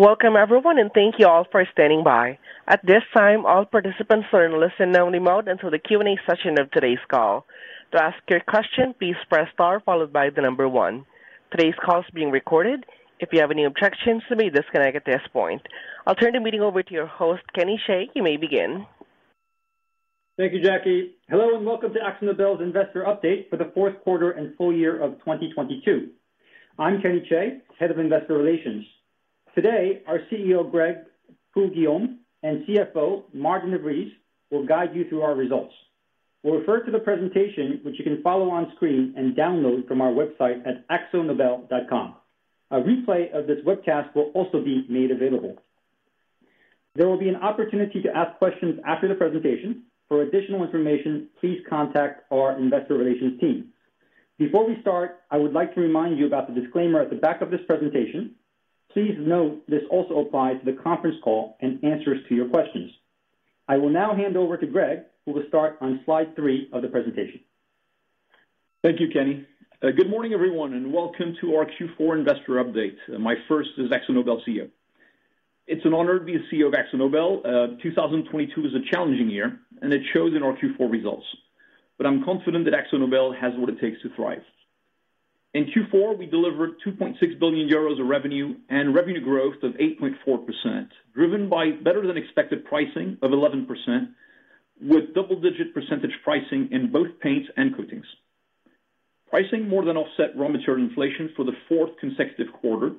Welcome everyone. Thank you all for standing by. At this time, all participants are in listen-only mode until the Q&A session of today's call. To ask your question, please press star followed by the number one. Today's call is being recorded. If you have any objections, you may disconnect at this point. I'll turn the meeting over to your host, Kenny Chae. You may begin. Thank you, Jackie. Hello, welcome to AkzoNobel's Investor Update for the fourth quarter and full year of 2022. I'm Kenny Chae, Head of Investor Relations. Today, our CEO, Greg Poux-Guillaume, and CFO, Maarten de Vries, will guide you through our results. We'll refer to the presentation, which you can follow on screen and download from our website at akzonobel.com. A replay of this webcast will also be made available. There will be an opportunity to ask questions after the presentation. For additional information, please contact our investor relations team. Before we start, I would like to remind you about the disclaimer at the back of this presentation. Please note this also applies to the conference call and answers to your questions. I will now hand over to Greg, who will start on slide 3 of the presentation. Thank you, Kenny. Good morning, everyone, and welcome to our Q4 investor update, and my first as AkzoNobel CEO. It's an honor to be CEO of AkzoNobel. 2022 was a challenging year, and it shows in our Q4 results. I'm confident that AkzoNobel has what it takes to thrive. In Q4, we delivered 2.6 billion euros of revenue and revenue growth of 8.4%, driven by better than expected pricing of 11%, with double-digit percentage pricing in both paints and coatings. Pricing more than offset raw material inflation for the fourth consecutive quarter,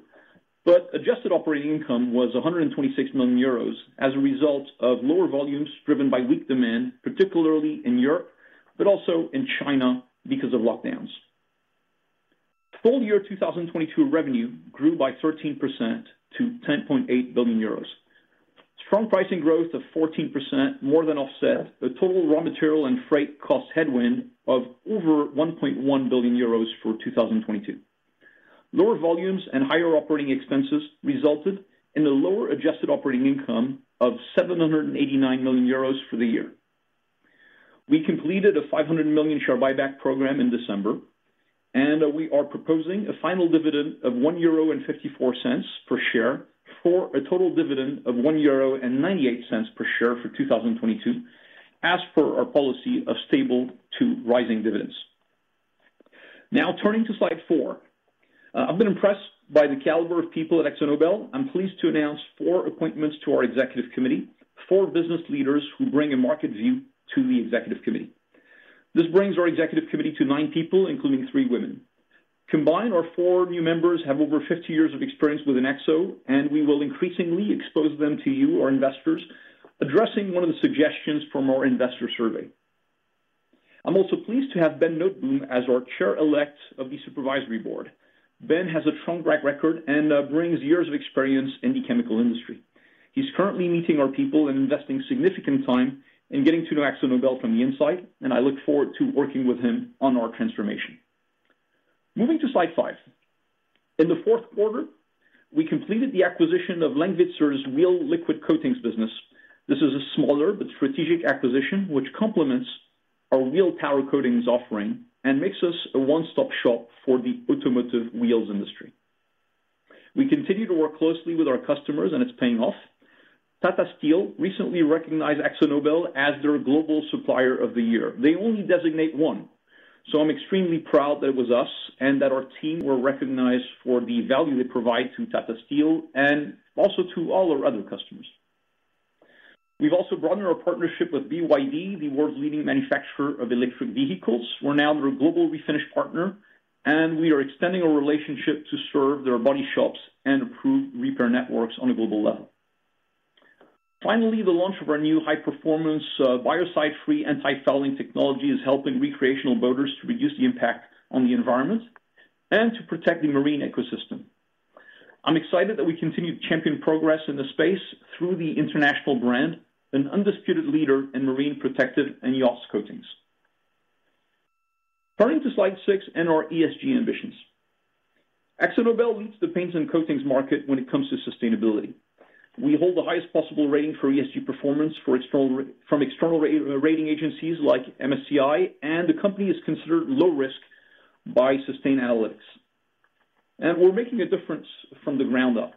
but adjusted operating income was 126 million euros as a result of lower volumes driven by weak demand, particularly in Europe, but also in China because of lockdowns. Full year 2022 revenue grew by 13% to 10.8 billion euros. Strong pricing growth of 14% more than offset the total raw material and freight cost headwind of over 1.1 billion euros for 2022. Lower volumes and higher operating expenses resulted in a lower adjusted operating income of 789 million euros for the year. We completed a 500 million share buyback program in December. We are proposing a final dividend of 1.54 euro per share for a total dividend of 1.98 euro per share for 2022, as per our policy of stable to rising dividends. Now turning to slide 4. I've been impressed by the caliber of people at AkzoNobel. I'm pleased to announce four appointments to our executive committee, four business leaders who bring a market view to the executive committee. This brings our executive committee to nine people, including three women. Combined, our four new members have over 50 years of experience within AkzoNobel, and we will increasingly expose them to you, our investors, addressing one of the suggestions from our investor survey. I'm also pleased to have Ben Noteboom as our chair-elect of the supervisory board. Ben has a strong track record and brings years of experience in the chemical industry. He's currently meeting our people and investing significant time in getting to know AkzoNobel from the inside, and I look forward to working with him on our transformation. Moving to slide five. In the fourth quarter, we completed the acquisition of Lankwitzer's wheel liquid coatings business. This is a smaller but strategic acquisition which complements our wheel power coatings offering and makes us a one-stop shop for the automotive wheels industry. We continue to work closely with our customers and it's paying off. Tata Steel recently recognized AkzoNobel as their global supplier of the year. They only designate one, so I'm extremely proud that it was us and that our team were recognized for the value they provide to Tata Steel and also to all our other customers. We've also broadened our partnership with BYD, the world's leading manufacturer of electric vehicles. We're now their global refinish partner, and we are extending our relationship to serve their body shops and approved repair networks on a global level. Finally, the launch of our new high-performance, biocide-free anti-fouling technology is helping recreational boaters to reduce the impact on the environment and to protect the marine ecosystem. I'm excited that we continue to champion progress in this space through the International Brand, an undisputed leader in marine protected and yacht coatings. Turning to slide 6 and our ESG ambitions. AkzoNobel leads the paints and coatings market when it comes to sustainability. We hold the highest possible rating for ESG performance from external rating agencies like MSCI, and the company is considered low risk by Sustainalytics. We're making a difference from the ground up.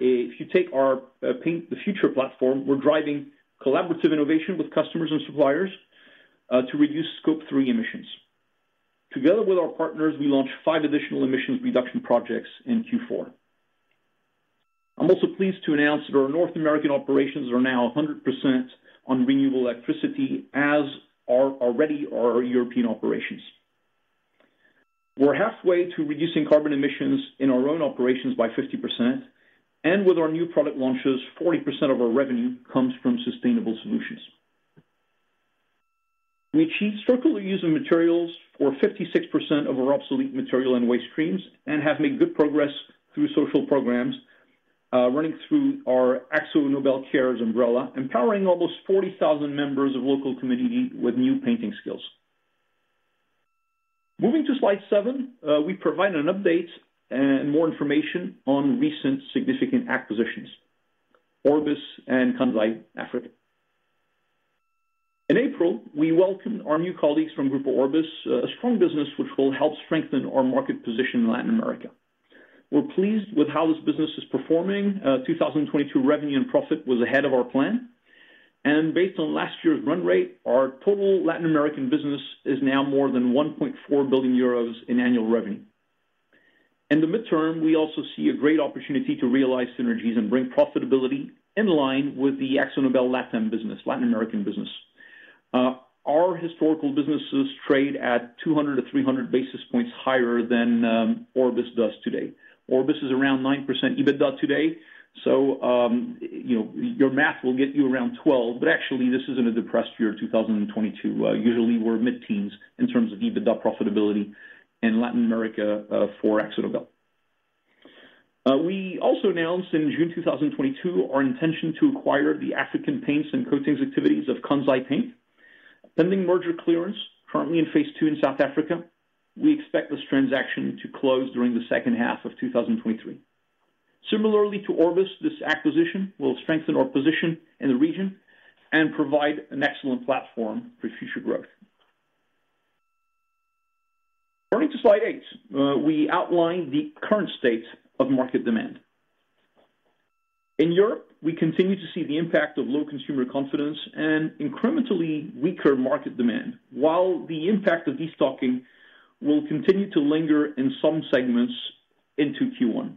If you take our Paint the Future platform, we're driving collaborative innovation with customers and suppliers to reduce Scope 3 emissions. Together with our partners, we launched five additional emissions reduction projects in Q4. I'm also pleased to announce that our North American operations are now 100% on renewable electricity, as are already our European operations. We're halfway to reducing carbon emissions in our own operations by 50%, and with our new product launches, 40% of our revenue comes from sustainable solutions. We achieve circular use of materials for 56% of our obsolete material and waste streams and have made good progress through social programs, running through our AkzoNobel Cares umbrella, empowering almost 40,000 members of local community with new painting skills. Moving to slide 7, we provide an update and more information on recent significant acquisitions, Orbis and Kansai Paint Africa. In April, we welcomed our new colleagues from Grupo Orbis, a strong business which will help strengthen our market position in Latin America. We're pleased with how this business is performing. 2022 revenue and profit was ahead of our plan. Based on last year's run rate, our total Latin American business is now more than 1.4 billion euros in annual revenue. In the midterm, we also see a great opportunity to realize synergies and bring profitability in line with the AkzoNobel Latin business, Latin American business. Our historical businesses trade at 200-300 basis points higher than Orbis does today. Orbis is around 9% EBITDA today. You know, your math will get you around 12, but actually, this is in a depressed year of 2022. Usually we're mid-teens in terms of EBITDA profitability in Latin America, for AkzoNobel. We also announced in June 2022, our intention to acquire the African Paints and Coatings activities of Kansai Paint. Pending merger clearance currently in phase II in South Africa, we expect this transaction to close during the second half of 2023. Similarly to Grupo Orbis, this acquisition will strengthen our position in the region and provide an excellent platform for future growth. Turning to slide 8, we outline the current state of market demand. In Europe, we continue to see the impact of low consumer confidence and incrementally weaker market demand. While the impact of destocking will continue to linger in some segments into Q1.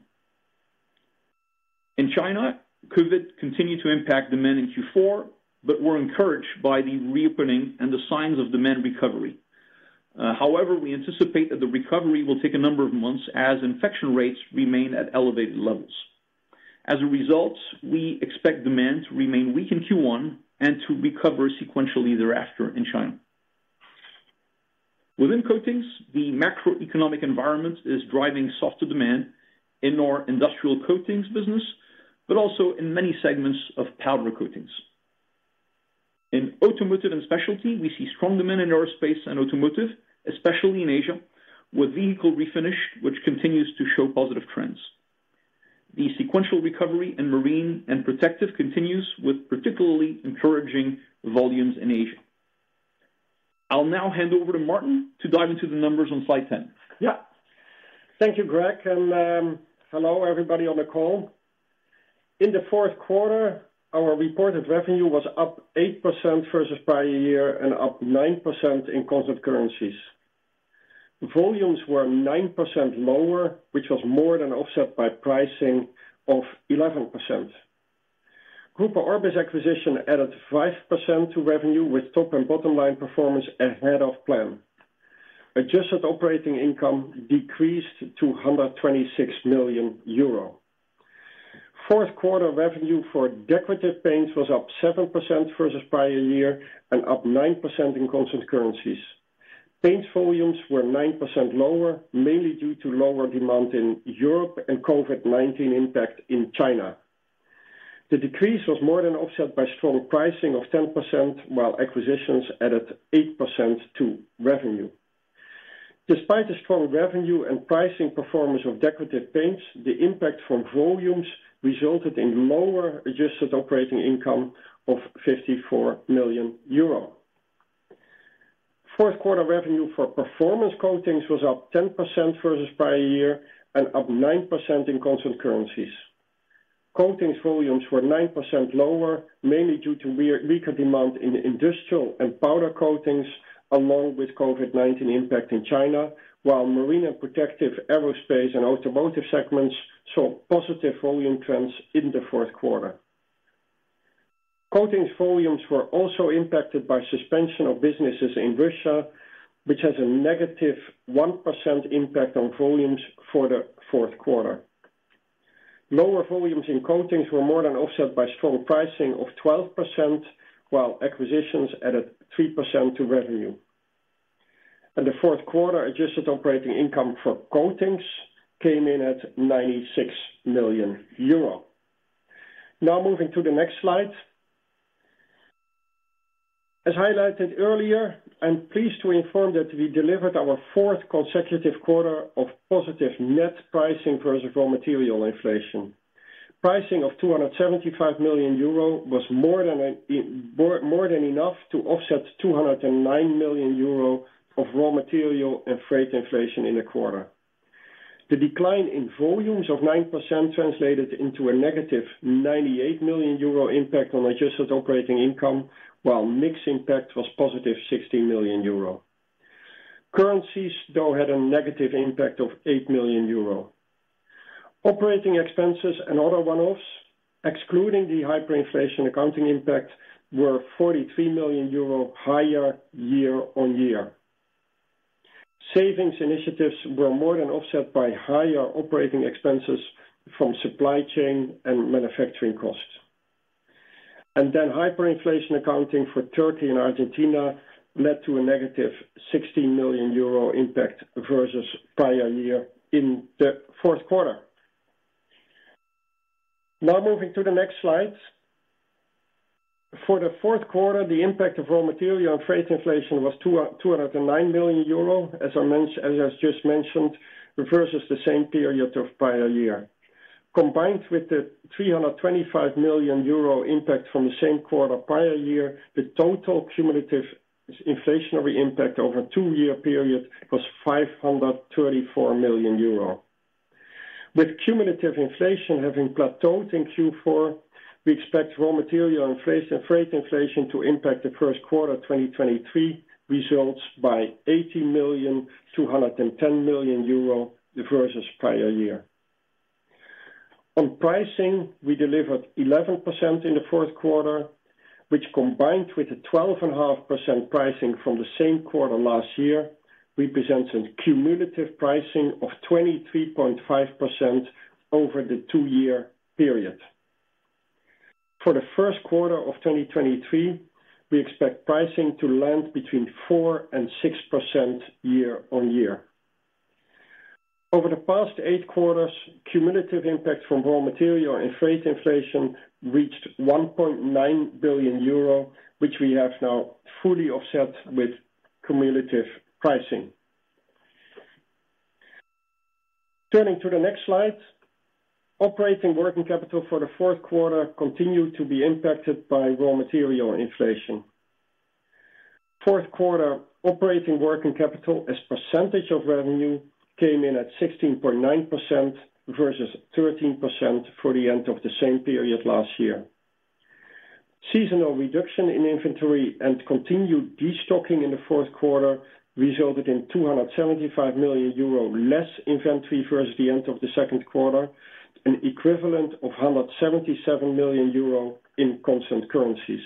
In China, COVID continued to impact demand in Q4. We're encouraged by the reopening and the signs of demand recovery. However, we anticipate that the recovery will take a number of months as infection rates remain at elevated levels. As a result, we expect demand to remain weak in Q1 and to recover sequentially thereafter in China. Within coatings, the macroeconomic environment is driving softer demand in our industrial coatings business, but also in many segments of powder coatings. In automotive and specialty, we see strong demand in aerospace and automotive, especially in Asia, with vehicle refinish, which continues to show positive trends. The sequential recovery in marine and protective continues with particularly encouraging volumes in Asia. I'll now hand over to Maarten to dive into the numbers on slide 10. Yeah. Thank you, Greg, hello, everybody on the call. In the fourth quarter, our reported revenue was up 8% versus prior year and up 9% in constant currencies. Volumes were 9% lower, which was more than offset by pricing of 11%. Grupo Orbis acquisition added 5% to revenue, with top and bottom line performance ahead of plan. Adjusted operating income decreased to 126 million euro. Fourth quarter revenue for decorative paints was up 7% versus prior year and up 9% in constant currencies. Paints volumes were 9% lower, mainly due to lower demand in Europe and COVID-19 impact in China. The decrease was more than offset by strong pricing of 10%, while acquisitions added 8% to revenue. Despite the strong revenue and pricing performance of decorative paints, the impact from volumes resulted in lower adjusted operating income of 54 million euro. Fourth quarter revenue for performance coatings was up 10% versus prior year and up 9% in constant currencies. Coatings volumes were 9% lower, mainly due to weaker demand in industrial and powder coatings, along with COVID-19 impact in China, while marine and protective aerospace and automotive segments saw positive volume trends in the fourth quarter. Coatings volumes were also impacted by suspension of businesses in Russia, which has a negative 1% impact on volumes for the fourth quarter. Lower volumes in coatings were more than offset by strong pricing of 12%, while acquisitions added 3% to revenue. In the fourth quarter, adjusted operating income for coatings came in at 96 million euro. Now moving to the next slide. As highlighted earlier, I'm pleased to inform that we delivered our fourth consecutive quarter of positive net pricing versus raw material inflation. Pricing of 275 million euro was more than enough to offset 209 million euro of raw material and freight inflation in the quarter. The decline in volumes of 9% translated into a negative 98 million euro impact on adjusted operating income, while mix impact was positive 60 million euro. Currencies, though, had a negative impact of 8 million euro. Operating expenses and other one-offs, excluding the hyperinflation accounting impact, were EUR 43 million higher year-on-year. Savings initiatives were more than offset by higher operating expenses from supply chain and manufacturing costs. Hyperinflation accounting for Turkey and Argentina led to a negative 60 million euro impact versus prior year in the fourth quarter. Moving to the next slide. For the fourth quarter, the impact of raw material and freight inflation was 209 million euro, as I just mentioned, versus the same period of prior year. Combined with the 325 million euro impact from the same quarter prior year, the total cumulative inflationary impact over a two-year period was 534 million euro. With cumulative inflation having plateaued in Q4, we expect raw material and freight inflation to impact the first quarter 2023 results by 80 million-110 million euro versus prior year. On pricing, we delivered 11% in the fourth quarter, which combined with a 12.5% pricing from the same quarter last year, represents a cumulative pricing of 23.5% over the two-year period. For the first quarter of 2023, we expect pricing to land between 4%-6% year-on-year. Over the past 8 quarters, cumulative impact from raw material and freight inflation reached 1.9 billion euro, which we have now fully offset with cumulative pricing. Turning to the next slide. Operating working capital for the fourth quarter continued to be impacted by raw material inflation. Fourth quarter operating working capital as % of revenue came in at 16.9% versus 13% for the end of the same period last year. Seasonal reduction in inventory and continued destocking in the fourth quarter resulted in 275 million euro less inventory versus the end of the second quarter, an equivalent of 177 million euro in constant currencies.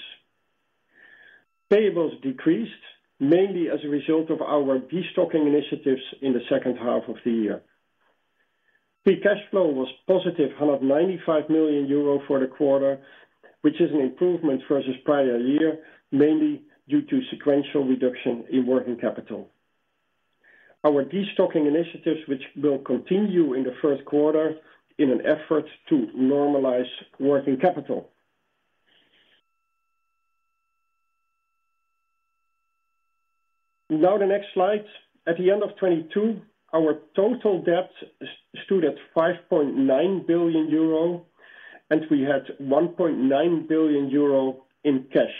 Payables decreased mainly as a result of our destocking initiatives in the second half of the year. Free cash flow was positive 195 million euro for the quarter, which is an improvement versus prior year, mainly due to sequential reduction in working capital. Our destocking initiatives, which will continue in the first quarter in an effort to normalize working capital. The next slide. At the end of 2022, our total debt stood at 5.9 billion euro, and we had 1.9 billion euro in cash.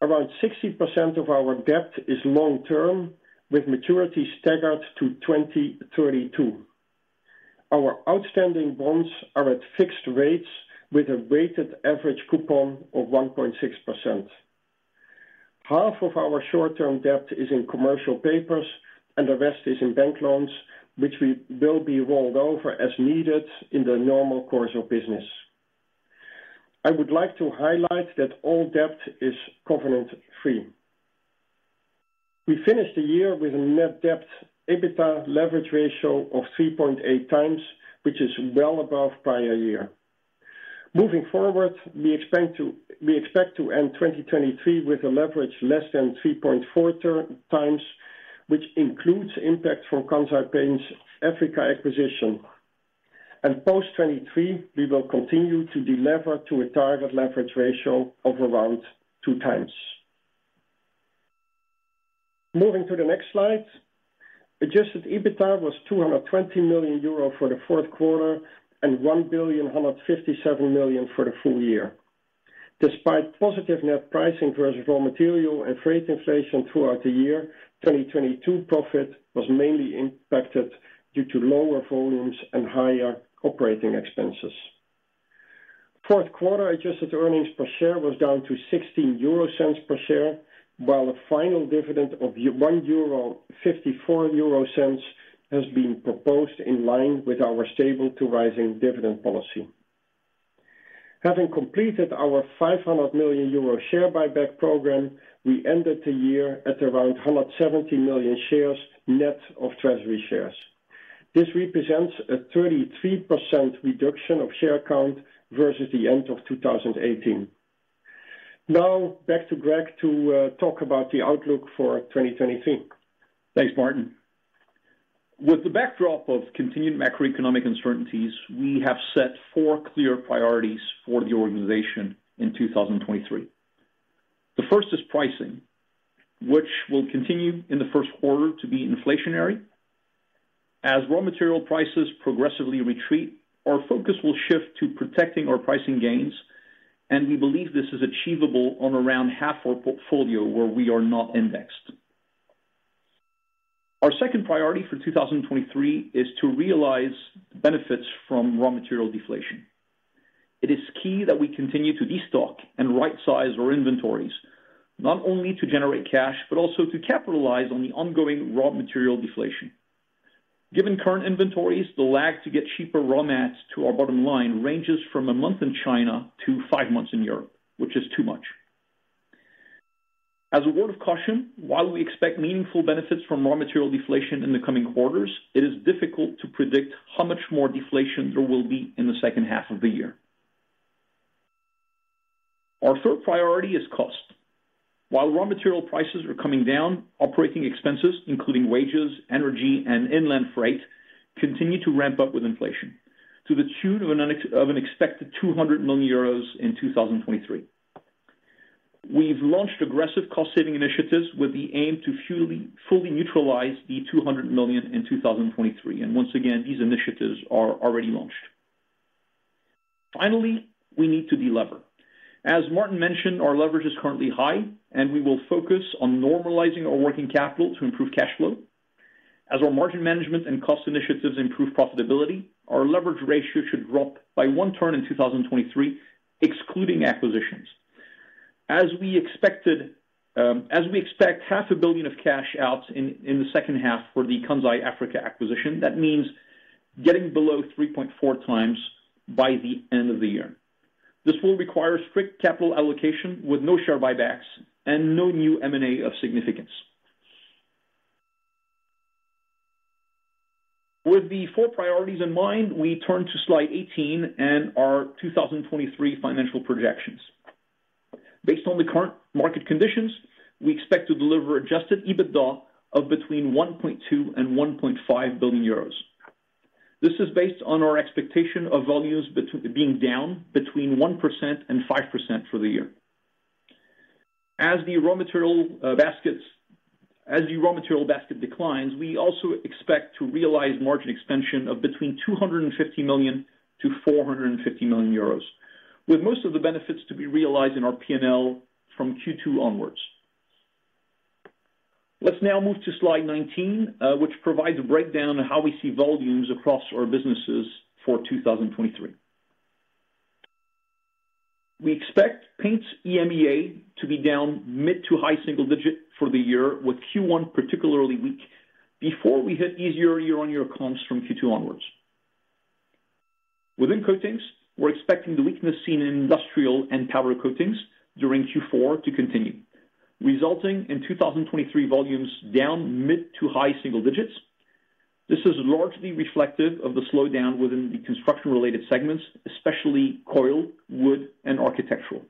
Around 60% of our debt is long-term, with maturity staggered to 2032. Our outstanding bonds are at fixed rates with a weighted average coupon of 1.6%. Half of our short-term debt is in commercial papers, and the rest is in bank loans, which we will be rolled over as needed in the normal course of business. I would like to highlight that all debt is covenant-free. We finished the year with a net debt/EBITDA leverage ratio of 3.8x, which is well above prior year. Moving forward, we expect to end 2023 with a leverage less than 3.4x, which includes impact from Kansai Paint Africa acquisition. Post-2023, we will continue to delever to a target leverage ratio of around 2x. Moving to the next slide. adjusted EBITDA was 220 million euro for the fourth quarter and 1 billion hundred fifty-seven million for the full year. Despite positive net pricing versus raw material and freight inflation throughout the year, 2022 profit was mainly impacted due to lower volumes and higher OpEx. Fourth quarter adjusted earnings per share was down to 0.16 per share, while a final dividend of 1.54 euro has been proposed in line with our stable to rising dividend policy. Having completed our 500 million euro share buyback program, we ended the year at around 170 million shares, net of treasury shares. This represents a 33% reduction of share count versus the end of 2018. Back to Greg to talk about the outlook for 2023. Thanks, Maarten the backdrop of continued macroeconomic uncertainties, we have set four clear priorities for the organization in 2023. The first is pricing, which will continue in the 1st quarter to be inflationary. As raw material prices progressively retreat, our focus will shift to protecting our pricing gains, and we believe this is achievable on around half our portfolio where we are not indexed. Our second priority for 2023 is to realize benefits from raw material deflation. It is key that we continue to destock and rightsize our inventories, not only to generate cash, but also to capitalize on the ongoing raw material deflation. Given current inventories, the lag to get cheaper raw mats to our bottom line ranges from a month in China to five months in Europe, which is too much. As a word of caution, while we expect meaningful benefits from raw material deflation in the coming quarters, it is difficult to predict how much more deflation there will be in the second half of the year. Our third priority is cost. While raw material prices are coming down, operating expenses, including wages, energy, and inland freight, continue to ramp up with inflation to the tune of an expected 200 million euros in 2023. We've launched aggressive cost saving initiatives with the aim to fully neutralize the 200 million in 2023. Once again, these initiatives are already launched. Finally, we need to delever. As Maarten mentioned, our leverage is currently high, and we will focus on normalizing our operating working capital to improve cash flow. As our margin management and cost initiatives improve profitability, our leverage ratio should drop by 1 turn in 2023, excluding acquisitions. As we expect half a billion EUR of cash out in the second half for the Kansai Paint Africa acquisition, that means getting below 3.4 times by the end of the year. This will require strict capital allocation with no share buybacks and no new M&A of significance. With the four priorities in mind, we turn to slide 18 and our 2023 financial projections. Based on the current market conditions, we expect to deliver adjusted EBITDA of between 1.2 billion-1.5 billion euros. This is based on our expectation of volumes being down between 1%-5% for the year. As the raw material basket declines, we also expect to realize margin expansion of between 250 million-450 million euros, with most of the benefits to be realized in our P&L from Q2 onwards. Let's now move to slide 19, which provides a breakdown on how we see volumes across our businesses for 2023. We expect Paints EMEA to be down mid to high single digit for the year, with Q1 particularly weak before we hit easier year-on-year comps from Q2 onwards. Within Coatings, we're expecting the weakness seen in Industrial and Powder Coatings during Q4 to continue, resulting in 2023 volumes down mid to high single digits. This is largely reflective of the slowdown within the construction related segments, especially coil, wood, and architectural.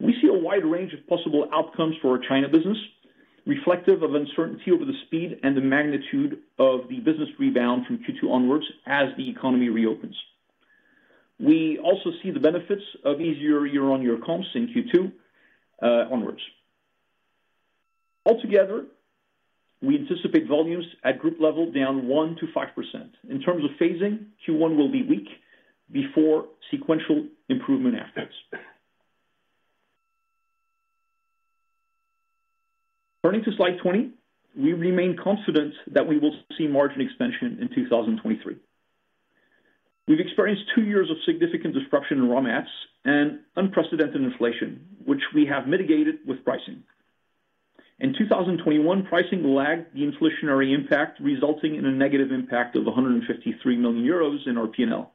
We see a wide range of possible outcomes for our China business, reflective of uncertainty over the speed and the magnitude of the business rebound from Q2 onwards as the economy reopens. We also see the benefits of easier year-on-year comps in Q2 onwards. Altogether, we anticipate volumes at group level down 1%-5%. In terms of phasing, Q1 will be weak before sequential improvement after. Turning to slide 20, we remain confident that we will see margin expansion in 2023. We've experienced two years of significant disruption in raw mats and unprecedented inflation, which we have mitigated with pricing. In 2021, pricing lagged the inflationary impact, resulting in a negative impact of 153 million euros in our P&L.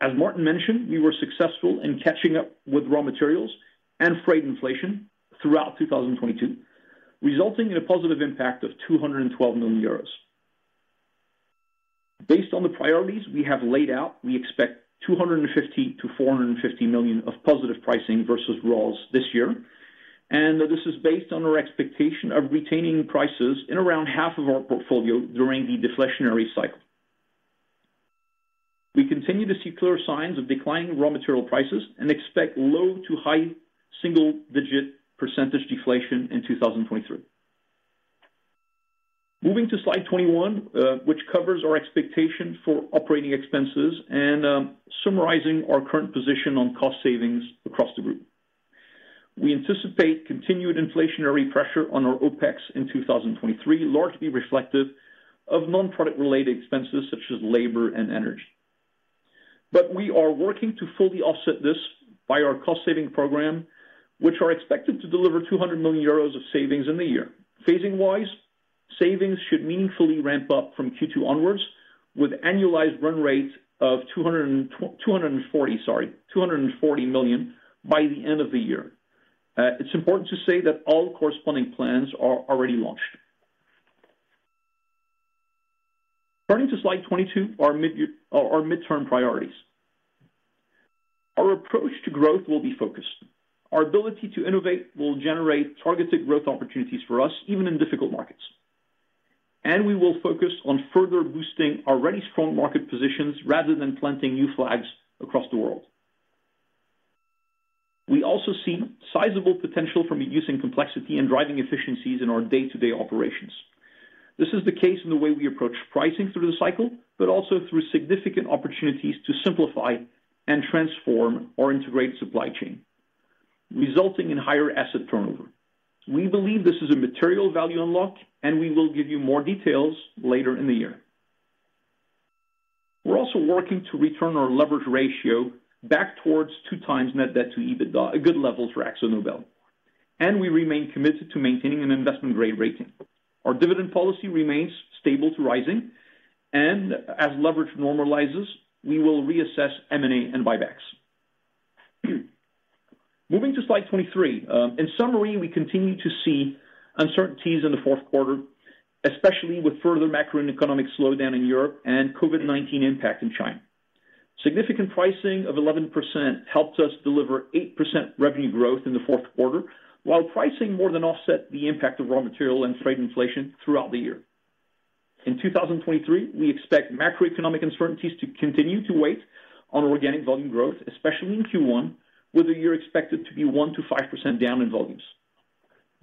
As Maarten mentioned, we were successful in catching up with raw materials and freight inflation throughout 2022, resulting in a positive impact of 212 million euros. Based on the priorities we have laid out, we expect 250 million-450 million of positive pricing versus raws this year, this is based on our expectation of retaining prices in around half of our portfolio during the deflationary cycle. We continue to see clear signs of declining raw material prices and expect low to high single digit % deflation in 2023. Moving to slide 21, which covers our expectation for operating expenses and summarizing our current position on cost savings across the group. We anticipate continued inflationary pressure on our OpEx in 2023, largely reflective of non-product related expenses such as labor and energy. We are working to fully offset this by our cost saving program, which are expected to deliver 200 million euros of savings in the year. Phasing wise, savings should meaningfully ramp up from Q2 onwards with annualized run rates of 240 million by the end of the year. It's important to say that all corresponding plans are already launched. Turning to slide 22, our midterm priorities. Our approach to growth will be focused. Our ability to innovate will generate targeted growth opportunities for us, even in difficult markets. We will focus on further boosting our already strong market positions rather than planting new flags across the world. We also see sizable potential from reducing complexity and driving efficiencies in our day-to-day operations. This is the case in the way we approach pricing through the cycle, but also through significant opportunities to simplify and transform our integrated supply chain, resulting in higher asset turnover. We believe this is a material value unlock, and we will give you more details later in the year. We're also working to return our leverage ratio back towards 2 times net debt to EBITDA, a good level for AkzoNobel, and we remain committed to maintaining an investment grade rating. Our dividend policy remains stable to rising, and as leverage normalizes, we will reassess M&A and buybacks. Moving to slide 23. In summary, we continue to see uncertainties in the fourth quarter, especially with further macroeconomic slowdown in Europe and COVID-19 impact in China. Significant pricing of 11% helped us deliver 8% revenue growth in the fourth quarter, while pricing more than offset the impact of raw material and freight inflation throughout the year. In 2023, we expect macroeconomic uncertainties to continue to weigh on organic volume growth, especially in Q1, with the year expected to be 1%-5% down in volumes.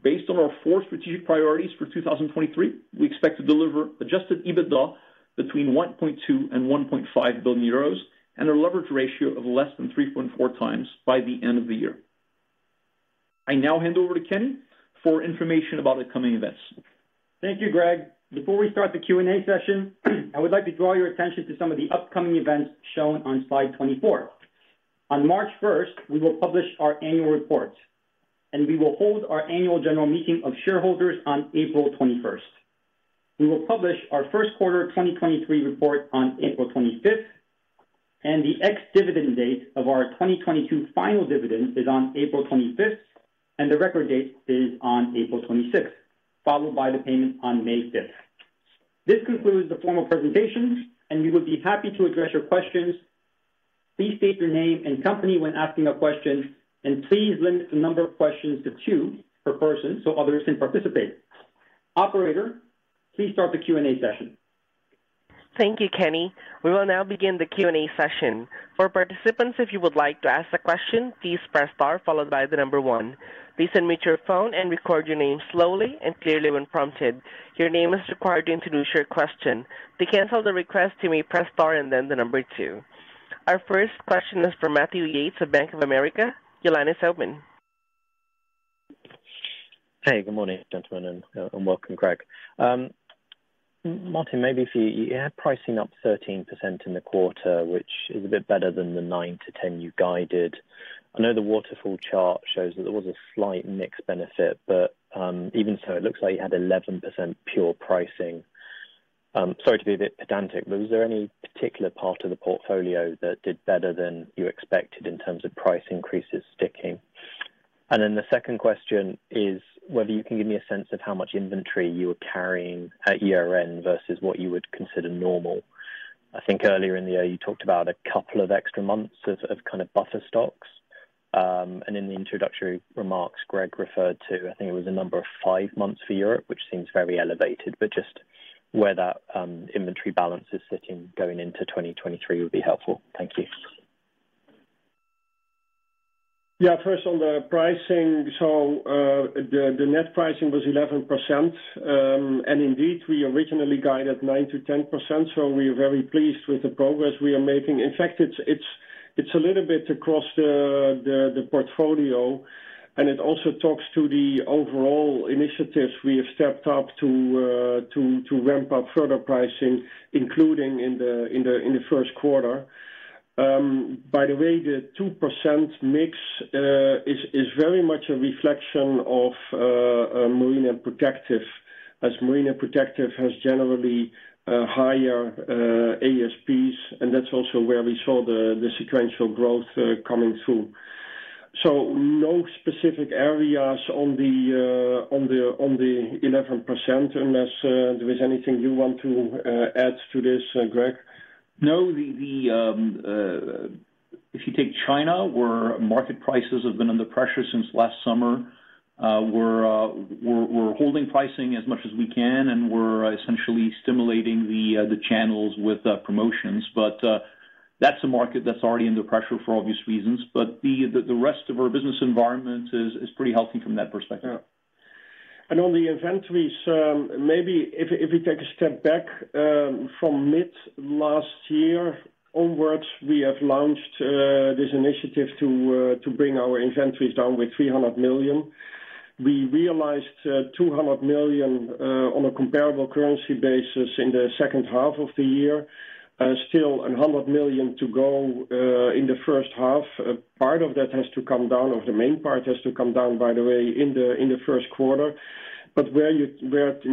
Based on our four strategic priorities for 2023, we expect to deliver adjusted EBITDA between 1.2 billion and 1.5 billion euros and a leverage ratio of less than 3.4 times by the end of the year. I now hand over to Kenny for information about upcoming events. Thank you, Greg. Before we start the Q&A session, I would like to draw your attention to some of the upcoming events shown on slide 24. On March 1st, we will publish our annual report, and we will hold our annual general meeting of shareholders on April 21st. We will publish our first quarter 2023 report on April 25th, and the ex-dividend date of our 2022 final dividend is on April 25th, and the record date is on April 26th, followed by the payment on May fifth. This concludes the formal presentation, and we would be happy to address your questions. Please state your name and company when asking a question, and please limit the number of questions to two per person, so others can participate. Operator, please start the Q&A session. Thank you, Kenny. We will now begin the Q&A session. For participants, if you would like to ask a question, please press star followed by the number one. Please unmute your phone and record your name slowly and clearly when prompted. Your name is required to introduce your question. To cancel the request, you may press star and then the number two. Our first question is from Matthew Yates of Bank of America. Your line is open. Hey, good morning, gentlemen, and welcome, Greg Poux-Guillaume. Maarten de Vries, maybe for you. You have pricing up 13% in the quarter, which is a bit better than the 9-10 you guided. I know the waterfall chart shows that there was a slight mix benefit, even so, it looks like you had 11% pure pricing. Sorry to be a bit pedantic, was there any particular part of the portfolio that did better than you expected in terms of price increases sticking? The second question is whether you can give me a sense of how much inventory you were carrying at year-end versus what you would consider normal. I think earlier in the year, you talked about a couple of extra months of kind of buffer stocks. In the introductory remarks, Greg referred to, I think it was a number of five months for Europe, which seems very elevated, but just where that inventory balance is sitting going into 2023 would be helpful. Thank you. Yeah. First on the pricing. The net pricing was 11%. Indeed, we originally guided 9%-10%. We're very pleased with the progress we are making. In fact, it's a little bit across the portfolio, and it also talks to the overall initiatives we have stepped up to ramp up further pricing, including in the first quarter. By the way, the 2% mix is very much a reflection of marine and protective, as marine and protective has generally higher ASPs, and that's also where we saw the sequential growth coming through. No specific areas on the 11%, unless there is anything you want to add to this, Greg? No. The, if you take China, where market prices have been under pressure since last summer, we're holding pricing as much as we can, and we're essentially stimulating the channels with promotions. That's a market that's already under pressure for obvious reasons. The rest of our business environment is pretty healthy from that perspective. On the inventories, maybe if we take a step back, from mid-last year onwards, we have launched this initiative to bring our inventories down with 300 million. We realized 200 million on a comparable currency basis in the second half of the year. Still 100 million to go in the first half. Part of that has to come down, or the main part has to come down, by the way, in the first quarter. Where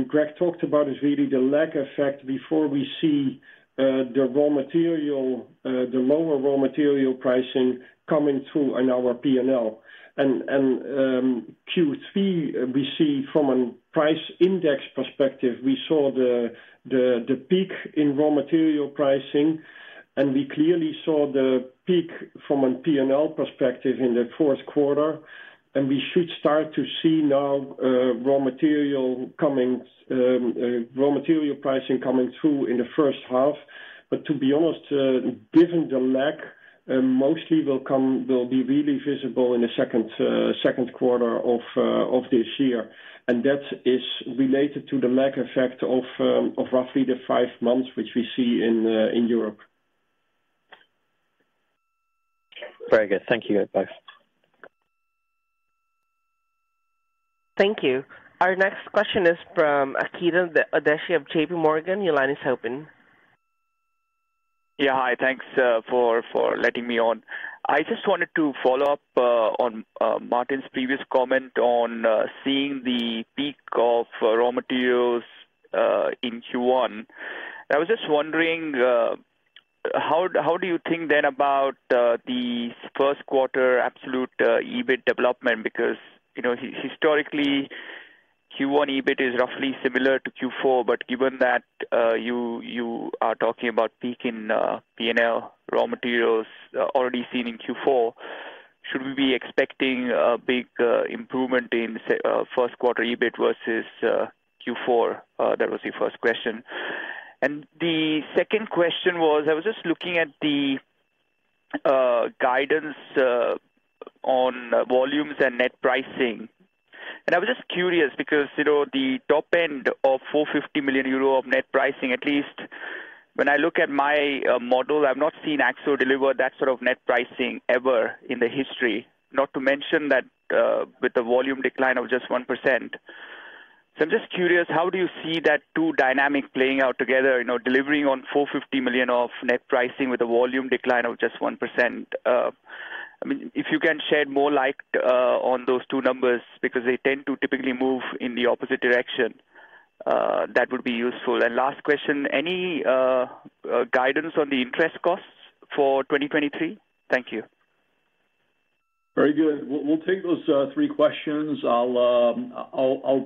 Greg talked about is really the lag effect before we see the raw material, the lower raw material pricing coming through in our P&L. Q3, we see from a price index perspective, we saw the peak in raw material pricing, and we clearly saw the peak from a P&L perspective in the fourth quarter. We should start to see now, raw material coming, raw material pricing coming through in the first half. To be honest, given the lag, mostly will be really visible in the second quarter of this year. That is related to the lag effect of roughly the five months which we see in Europe. Very good. Thank you. Bye. Thank you. Our next question is from Akhil Dattani of JPMorgan. Your line is open. Yeah. Hi. Thanks for letting me on. I just wanted to follow up on Maarten's previous comment on seeing the peak of raw materials in Q1. I was just wondering how do you think then about the first quarter absolute EBIT development? Because, you know, historically, Q1 EBIT is roughly similar to Q4, but given that you are talking about peak in P&L raw materials already seen in Q4. Should we be expecting a big improvement in first quarter EBIT versus Q4? That was the first question. The second question was, I was just looking at the guidance on volumes and net pricing. I was just curious because, you know, the top end of 450 million euro of net pricing, at least when I look at my model, I've not seen Akzo deliver that sort of net pricing ever in the history. Not to mention that with the volume decline of just 1%. I'm just curious, how do you see that two dynamic playing out together, you know, delivering on 450 million of net pricing with a volume decline of just 1%? I mean, if you can share more light on those two numbers, because they tend to typically move in the opposite direction, that would be useful. Last question, any guidance on the interest costs for 2023? Thank you. Very good. We'll take those three questions. I'll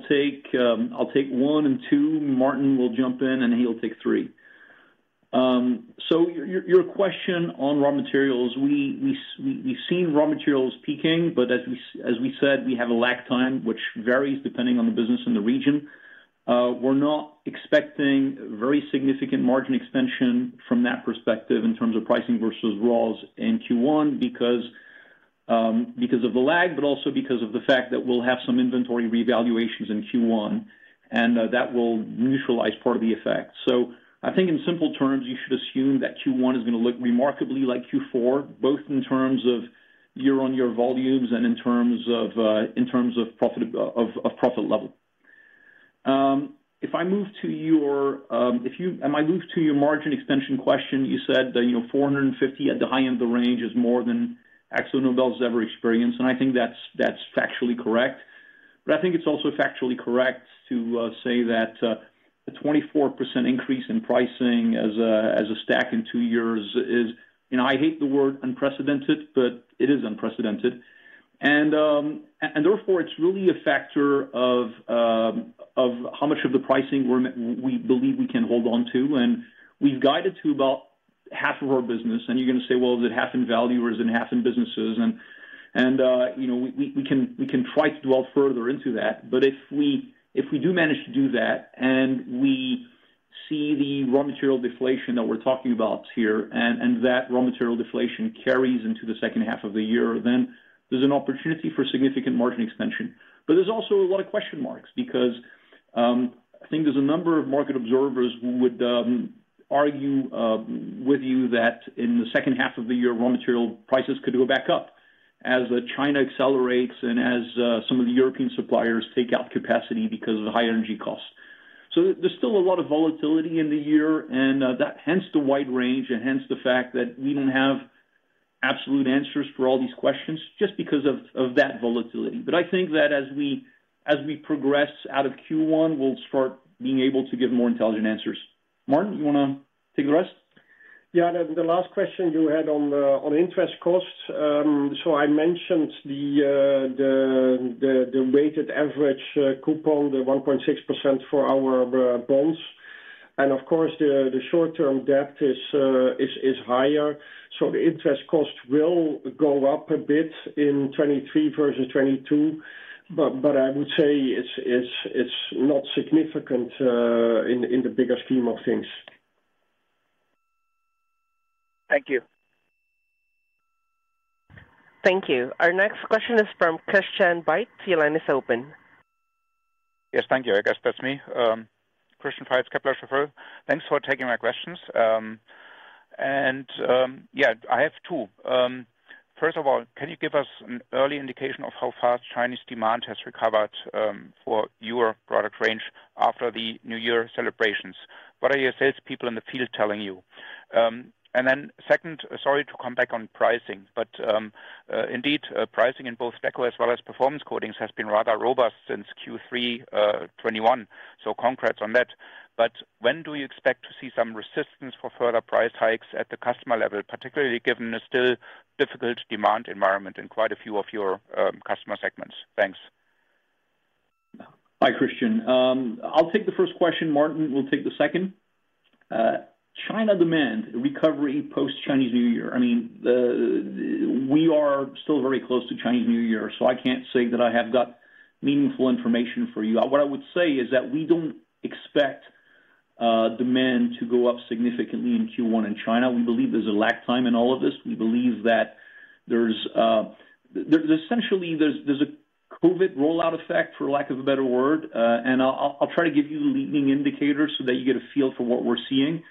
take one and two. Maarten will jump in, he'll take three. Your question on raw materials, we've seen raw materials peaking, as we said, we have a lag time which varies depending on the business and the region. We're not expecting very significant margin expansion from that perspective in terms of pricing versus raws in Q1 because of the lag, also because of the fact that we'll have some inventory revaluations in Q1, that will neutralize part of the effect. I think in simple terms, you should assume that Q1 is gonna look remarkably like Q4, both in terms of year-over-year volumes and in terms of profit level. If I move to your margin expansion question, you said that, you know, 450 at the high end of the range is more than AkzoNobel has ever experienced, and I think that's factually correct. I think it's also factually correct to say that a 24% increase in pricing as a stack in two years is, you know, I hate the word unprecedented, but it is unprecedented. Therefore, it's really a factor of how much of the pricing we believe we can hold on to. We've guided to about half of our business, and you're gonna say, "Well, is it half in value or is it half in businesses?" You know, we can try to dwell further into that. If we, if we do manage to do that, and we see the raw material deflation that we're talking about here, and that raw material deflation carries into the second half of the year, then there's an opportunity for significant margin expansion. There's also a lot of question marks because, I think there's a number of market observers who would argue with you that in the second half of the year, raw material prices could go back up as China accelerates and as some of the European suppliers take out capacity because of the high energy costs. There's still a lot of volatility in the year, and that hence the wide range, and hence the fact that we don't have absolute answers for all these questions just because of that volatility. I think that as we progress out of Q1, we'll start being able to give more intelligent answers. Maarten, you wanna take the rest? Yeah. The last question you had on interest costs. I mentioned the weighted average coupon, the 1.6% for our bonds. Of course, the short term debt is higher, so the interest cost will go up a bit in 2023 versus 2022. I would say it's not significant in the bigger scheme of things. Thank you. Thank you. Our next question is from Christian Faitz. Your line is open. Yes. Thank you. I guess that's me. Christian Faitz, Kepler Cheuvreux. Thanks for taking my questions. Yeah, I have two. First of all, can you give us an early indication of how fast Chinese demand has recovered for your product range after the New Year celebrations? What are your salespeople in the field telling you? Second, sorry to come back on pricing, indeed, pricing in both deco as well as Performance Coatings has been rather robust since Q3 21, so congrats on that. When do you expect to see some resistance for further price hikes at the customer level, particularly given the still difficult demand environment in quite a few of your customer segments? Thanks. Hi, Christian. I'll take the first question, Maarten will take the second. China demand recovering post-Chinese New Year. I mean, we are still very close to Chinese New Year, so I can't say that I have got meaningful information for you. What I would say is that we don't expect demand to go up significantly in Q1 in China. We believe there's a lag time in all of this. We believe that there's essentially a COVID rollout effect, for lack of a better word. I'll try to give you leading indicators so that you get a feel for what we're seeing.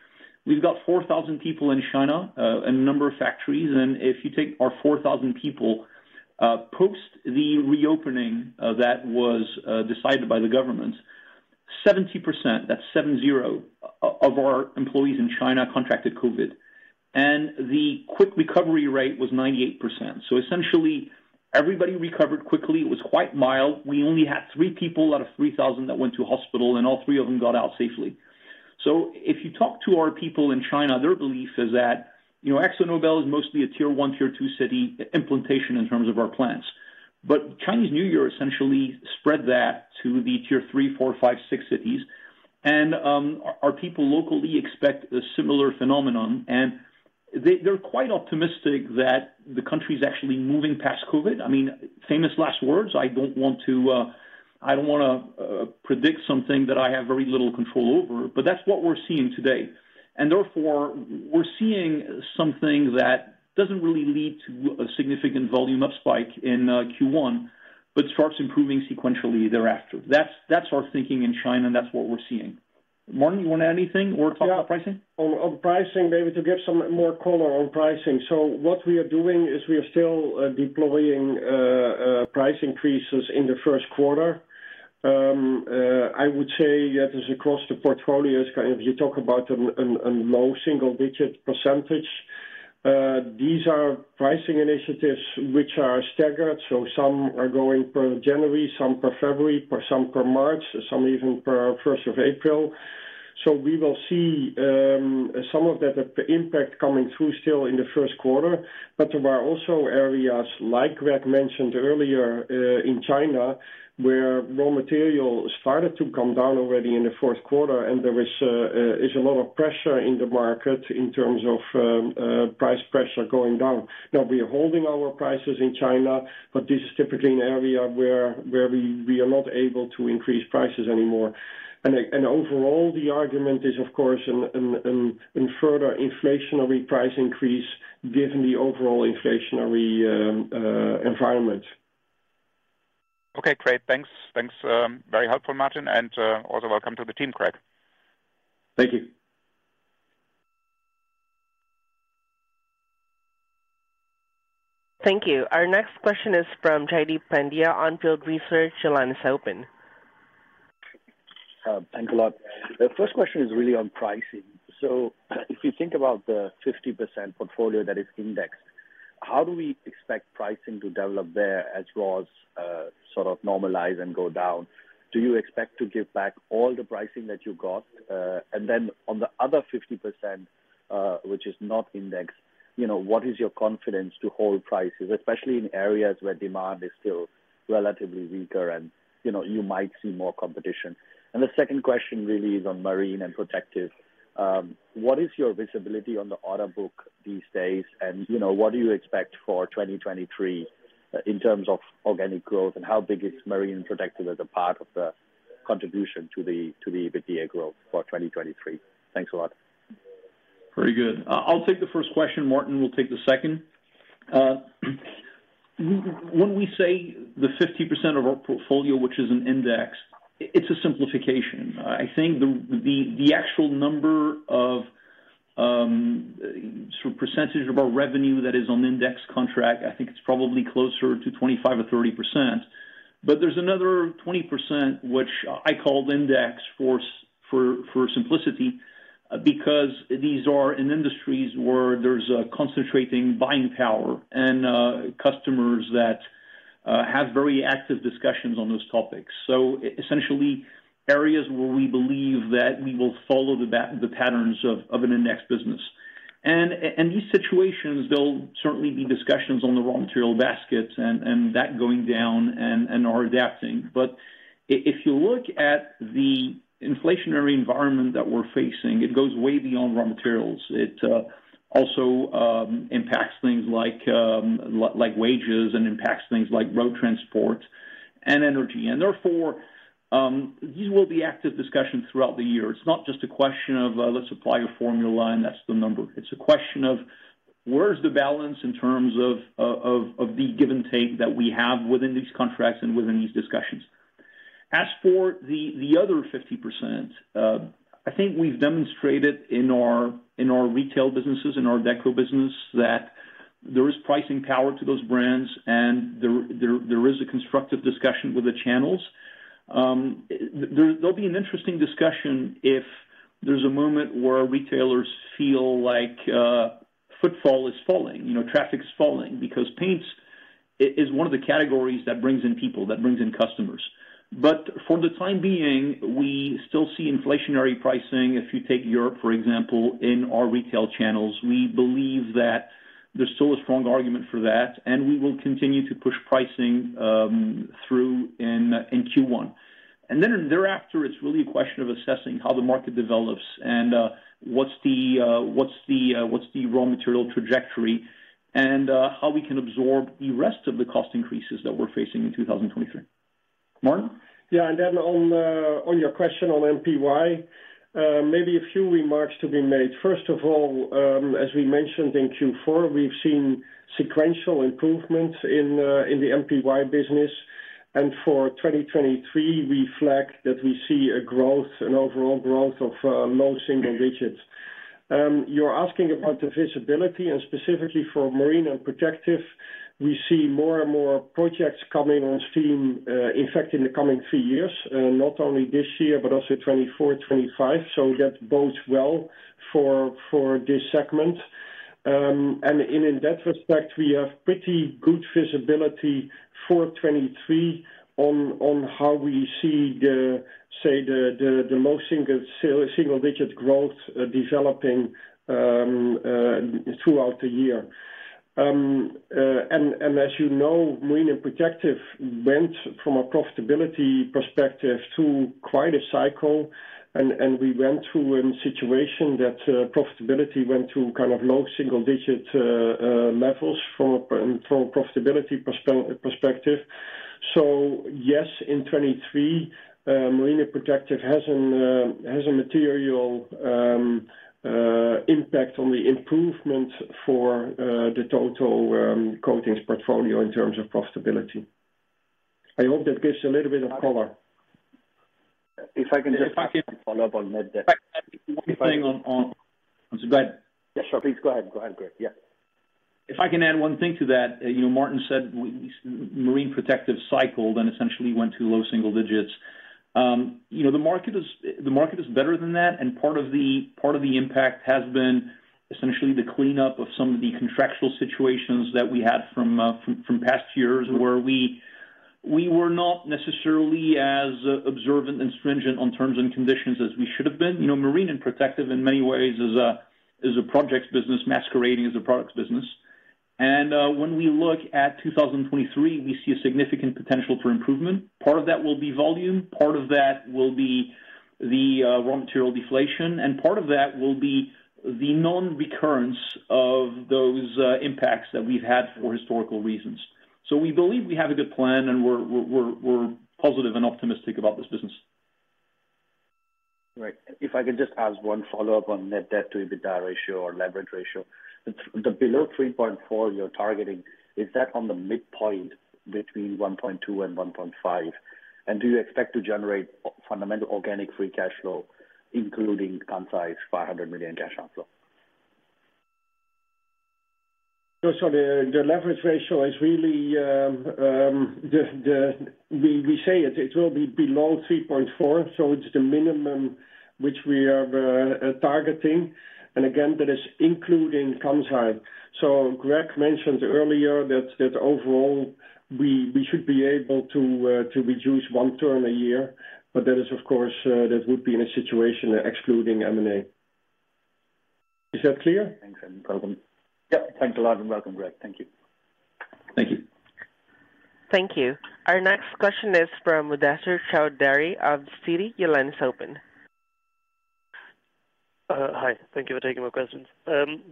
We've got 4,000 people in China, a number of factories, and if you take our 4,000 people, post the reopening, that was decided by the government, 70%, that's 70, of our employees in China contracted COVID, and the quick recovery rate was 98%. Essentially, everybody recovered quickly. It was quite mild. We only had three people out of 3,000 that went to hospital, and all three of them got out safely. If you talk to our people in China, their belief is that, you know, AkzoNobel is mostly a tier one, tier two city implementation in terms of our plants. Chinese New Year essentially spread that to the tier three, four, five, six cities. Our people locally expect a similar phenomenon, and they're quite optimistic that the country is actually moving past COVID. I mean, famous last words. I don't want to, I don't wanna predict something that I have very little control over, but that's what we're seeing today. Therefore, we're seeing something that doesn't really lead to a significant volume up spike in Q1, but starts improving sequentially thereafter. That's our thinking in China, and that's what we're seeing. Martin, you want to add anything or talk about pricing? Yeah. On pricing, maybe to give some more color on pricing. What we are doing is we are still deploying price increases in the first quarter. I would say that is across the portfolios, kind of you talk about a low single-digit %. These are pricing initiatives which are staggered, some are going per January, some per February, some per March, some even per first of April. We will see some of the impact coming through still in the first quarter. There are also areas, like Greg mentioned earlier, in China, where raw material started to come down already in the fourth quarter and there is a lot of pressure in the market in terms of price pressure going down. We are holding our prices in China, this is typically an area where we are not able to increase prices anymore. Overall, the argument is of course an further inflationary price increase given the overall inflationary environment. Okay, great. Thanks. Thanks, very helpful, Martin, and also welcome to the team, Greg. Thank you. Thank you. Our next question is from Jaideep Pandya, On Field Research. Your line is open. Thanks a lot. The first question is really on pricing. If you think about the 50% portfolio that is indexed, how do we expect pricing to develop there as raws sort of normalize and go down? Do you expect to give back all the pricing that you got? On the other 50% which is not indexed, you know, what is your confidence to hold prices, especially in areas where demand is still relatively weaker and, you know, you might see more competition? The second question really is on marine and protective. What is your visibility on the order book these days? And, you know, what do you expect for 2023 in terms of organic growth, and how big is marine and protective as a part of the contribution to the, to the EBITDA growth for 2023? Thanks a lot. Very good. I'll take the first question. Martin will take the second. When we say the 50% of our portfolio, which is in index, it's a simplification. I think the actual number of sort of percentage of our revenue that is on index contract, I think it's probably closer to 25% or 30%. There's another 20%, which I called index for simplicity, because these are in industries where there's a concentrating buying power and customers that have very active discussions on those topics. Essentially, areas where we believe that we will follow the patterns of an index business. In these situations, there'll certainly be discussions on the raw material baskets and that going down and are adapting. If you look at the inflationary environment that we're facing, it goes way beyond raw materials. It also impacts things like wages and impacts things like road transport and energy. Therefore, these will be active discussions throughout the year. It's not just a question of let's apply a formula and that's the number. It's a question of where is the balance in terms of the give and take that we have within these contracts and within these discussions. As for the other 50%, I think we've demonstrated in our retail businesses, in our Deco business, that there is pricing power to those brands and there is a constructive discussion with the channels. There'll be an interesting discussion if there's a moment where retailers feel like footfall is falling, you know, traffic's falling, because paints is one of the categories that brings in people, that brings in customers. For the time being, we still see inflationary pricing. If you take Europe, for example, in our retail channels, we believe that there's still a strong argument for that, and we will continue to push pricing through in Q1. Thereafter, it's really a question of assessing how the market develops and what's the raw material trajectory and how we can absorb the rest of the cost increases that we're facing in 2023. Martin de Vries? On your question on NPS, maybe a few remarks to be made. First of all, as we mentioned in Q4, we've seen sequential improvements in the NPS business. For 2023, we flagged that we see a growth, an overall growth of low single digits. You're asking about the visibility and specifically for marine and protective. We see more and more projects coming on stream, in fact, in the coming 3 years, not only this year, but also 2024, 2025. That bodes well for this segment. In that respect, we have pretty good visibility for 2023 on how we see the low single-digit growth developing throughout the year. As you know, Marine and Protective went from a profitability perspective through quite a cycle, we went through a situation that profitability went through kind of low single-digit levels from a profitability perspective. Yes, in 2023, Marine and Protective has a material impact on the improvement for the total coatings portfolio in terms of profitability. I hope that gives you a little bit of color. If I can just- If I can- Follow up on that. If I can add one thing on. Go ahead. Yeah, sure. Please go ahead. Go ahead, Greg. Yeah. If I can add one thing to that. You know, Maarten said Marine Protective cycled and essentially went to low single digits. You know, the market is better than that, and part of the impact has been essentially the cleanup of some of the contractual situations that we had from past years, where we were not necessarily as observant and stringent on terms and conditions as we should have been. You know, Marine and Protective in many ways is a projects business masquerading as a products business. When we look at 2023, we see a significant potential for improvement. Part of that will be volume, part of that will be the raw material deflation, and part of that will be the non-recurrence of those impacts that we've had for historical reasons. We believe we have a good plan and we're positive and optimistic about this business. Right. If I could just ask one follow-up on net debt to EBITDA ratio or leverage ratio. The below 3.4 you're targeting, is that on the midpoint between 1.2 and 1.5? Do you expect to generate fundamental organic free cash flow, including Kansai's 500 million cash outflow? The leverage ratio is really, we say it will be below 3.4, it's the minimum which we are targeting. Again, that is including Kansai. Greg mentioned earlier that overall we should be able to reduce 1 term a year, that is of course, that would be in a situation excluding M&A. Is that clear? Thanks. No problem. Yep. Thanks a lot and welcome, Greg. Thank you. Thank you. Thank you. Our next question is from Mubasher Chaudhry of Citi. Your line is open. Hi. Thank you for taking my questions.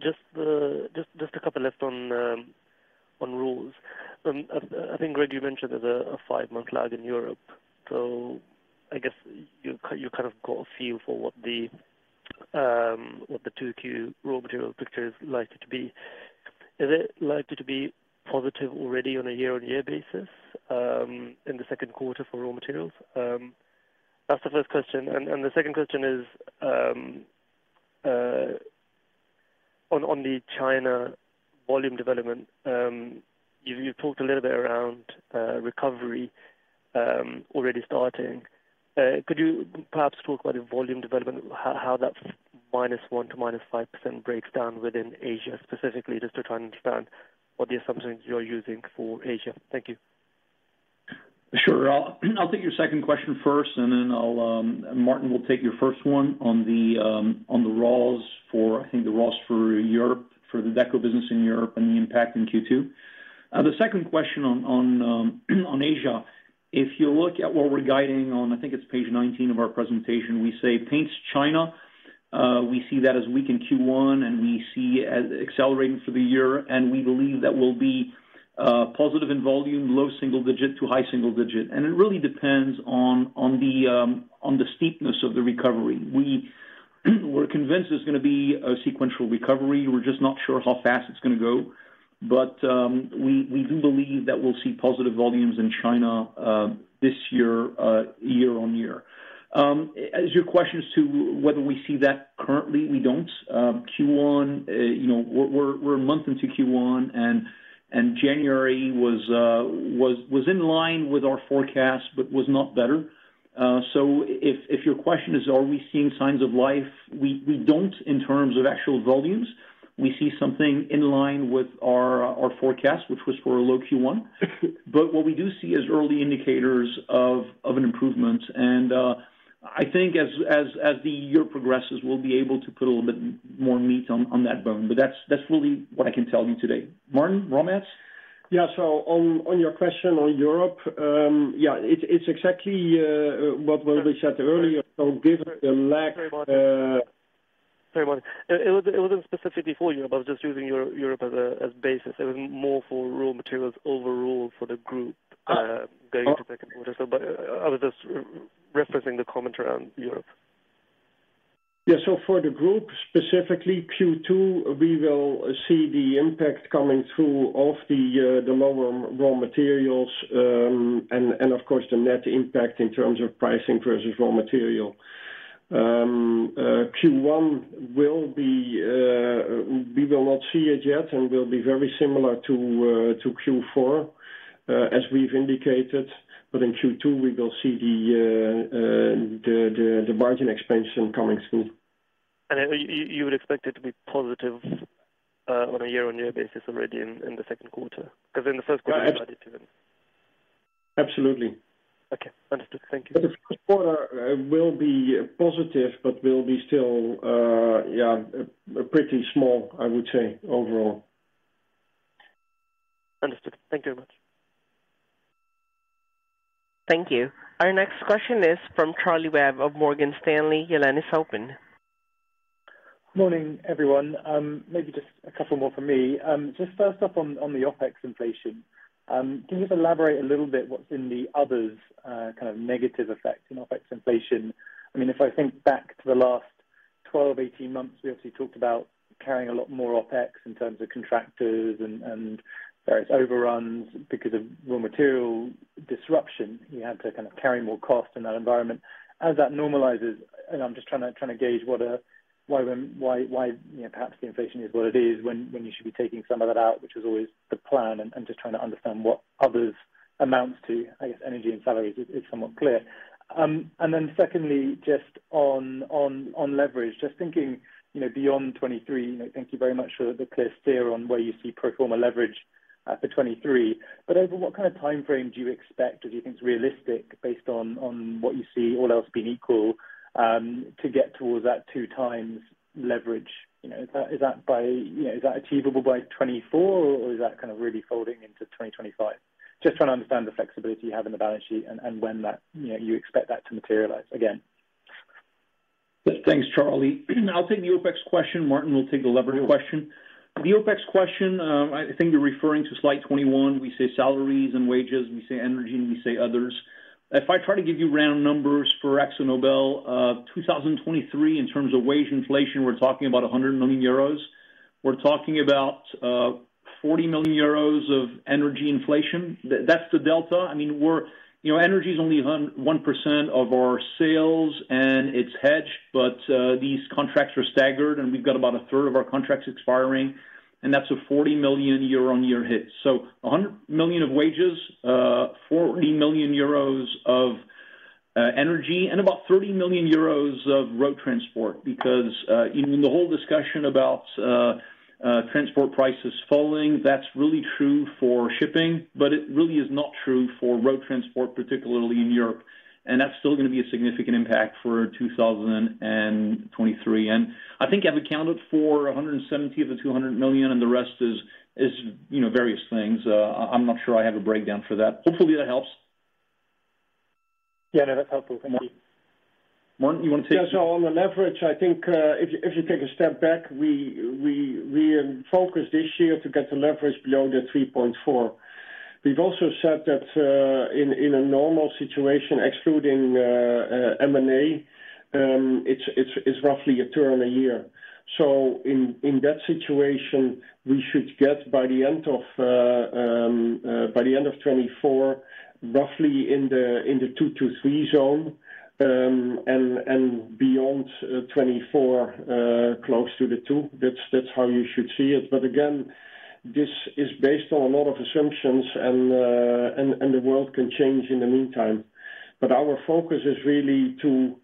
Just a couple left on raws. I think, Greg, you mentioned there's a five month lag in Europe, so I guess you kind of got a feel for what the 2Q raw material picture is likely to be. Is it likely to be positive already on a year-on-year basis in the second quarter for raw materials? That's the first question. The second question is on the China volume development, you talked a little bit around recovery already starting. Could you perhaps talk about the volume development, how that -1% to -5% breaks down within Asia specifically, just to try and understand what the assumptions you're using for Asia? Thank you. Sure. I'll take your second question first, and then I'll, and Maarten will take your first one on the, on the rawls for, I think the rawls for Europe, for the Deco business in Europe and the impact in Q2. The second question on, on Asia. If you look at what we're guiding on, I think it's page 19 of our presentation, we say Paints China, we see that as weak in Q1, and we see it as accelerating for the year, and we believe that will be positive in volume, low single digit to high single digit. It really depends on the, on the steepness of the recovery. We're convinced there's gonna be a sequential recovery. We're just not sure how fast it's gonna go. We do believe that we'll see positive volumes in China this year-on-year. As your question as to whether we see that currently, we don't. Q1, you know, we're a month into Q1, and January was in line with our forecast but was not better. If your question is, are we seeing signs of life, we don't in terms of actual volumes. We see something in line with our forecast, which was for a low Q1. What we do see is early indicators of an improvement. I think as the year progresses, we'll be able to put a little bit more meat on that bone. That's really what I can tell you today. Maarten, raw mats? Yeah. On your question on Europe, yeah, it's exactly what we said earlier. Given the lag, - Sorry, Martin. It wasn't specifically for you, but I was just using Euro-Europe as a basis. It was more for raw materials overall for the group, going into second quarter. But I was just referencing the comment around Europe. For the group, specifically Q2, we will see the impact coming through of the lower raw materials, and of course, the net impact in terms of pricing versus raw material. Q1, we will not see it yet, and will be very similar to Q4, as we've indicated. In Q2, we will see the margin expansion coming through. You would expect it to be positive on a year-on-year basis already in the second quarter, 'cause in the first quarter. YeahAbsolutely. Okay. Understood. Thank you. The first quarter will be positive, but will be still... yeah, a pretty small, I would say, overall. Understood. Thank you very much. Thank you. Our next question is from Charlie Webb of Morgan Stanley. Your line is open. Morning, everyone. Maybe just a couple more from me. Just first up on the OpEx inflation. Can you just elaborate a little bit what's in the others, kind of negative effect in OpEx inflation? I mean, if I think back to the last 12, 18 months, we obviously talked about carrying a lot more OpEx in terms of contractors and various overruns because of raw material disruption. You had to kind of carry more cost in that environment. As that normalizes, and I'm just trying to gauge why, you know, perhaps the inflation is what it is when you should be taking some of it out, which was always the plan, and just trying to understand what others amounts to. I guess energy and salaries is somewhat clear. Secondly, just on leverage, just thinking, you know, beyond 2023, you know. Thank you very much for the clear steer on where you see pro forma leverage for 2023. Over what kind of timeframe do you expect, or do you think it's realistic based on what you see all else being equal, to get towards that 2x leverage, you know? Is that by... You know, is that achievable by 2024, or is that kind of really folding into 2025? Just trying to understand the flexibility you have in the balance sheet and when that, you know, you expect that to materialize again. Thanks, Charlie. I'll take the OpEx question. Maarten will take the leverage question. The OpEx question, I think you're referring to slide 21. We say salaries and wages, we say energy, and we say others. If I try to give you round numbers for AkzoNobel, 2023 in terms of wage inflation, we're talking about 100 million euros. We're talking about 40 million euros of energy inflation. That's the delta. I mean, we're. You know, energy is only 1% of our sales and it's hedged, but these contracts are staggered, and we've got about a third of our contracts expiring, and that's a 40 million euro year-on-year hit. 100 million of wages, 40 million euros of energy, and about 30 million euros of road transport because even the whole discussion about transport prices falling, that's really true for shipping, but it really is not true for road transport, particularly in Europe. That's still gonna be a significant impact for 2023. I think I've accounted for 170 of the 200 million, and the rest is, you know, various things. I'm not sure I have a breakdown for that. Hopefully, that helps. Yeah. No, that's helpful. Thank you. Maarten, you wanna take... Yes. On the leverage, I think, if you take a step back, we focused this year to get the leverage below 3.4. We've also said that, in a normal situation, excluding M&A, it's roughly a turn a year. In that situation, we should get by the end of 2024, roughly in the 2-3 zone, and beyond 2024, close to 2. That's how you should see it. Again, this is based on a lot of assumptions and the world can change in the meantime. Our focus is really to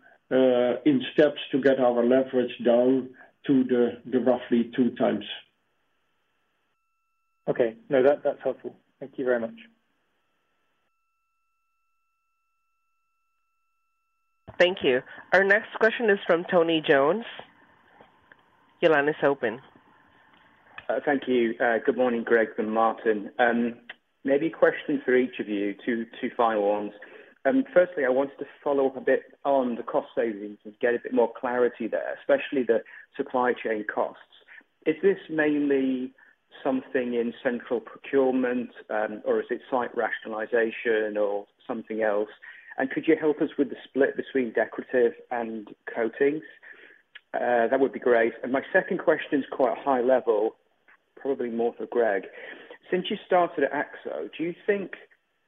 in steps to get our leverage down to the roughly 2 times. Okay. No, that's helpful. Thank you very much. Thank you. Our next question is from Tony Jones. Your line is open. Thank you. Good morning, Greg and Maarten. Maybe a question for each of you, two final ones. Firstly, I wanted to follow up a bit on the cost savings and get a bit more clarity there, especially the supply chain costs. Is this mainly something in central procurement, or is it site rationalization or something else? Could you help us with the split between decorative and coatings? That would be great. My second question is quite high level, probably more for Greg. Since you started at AkzoNobel, do you think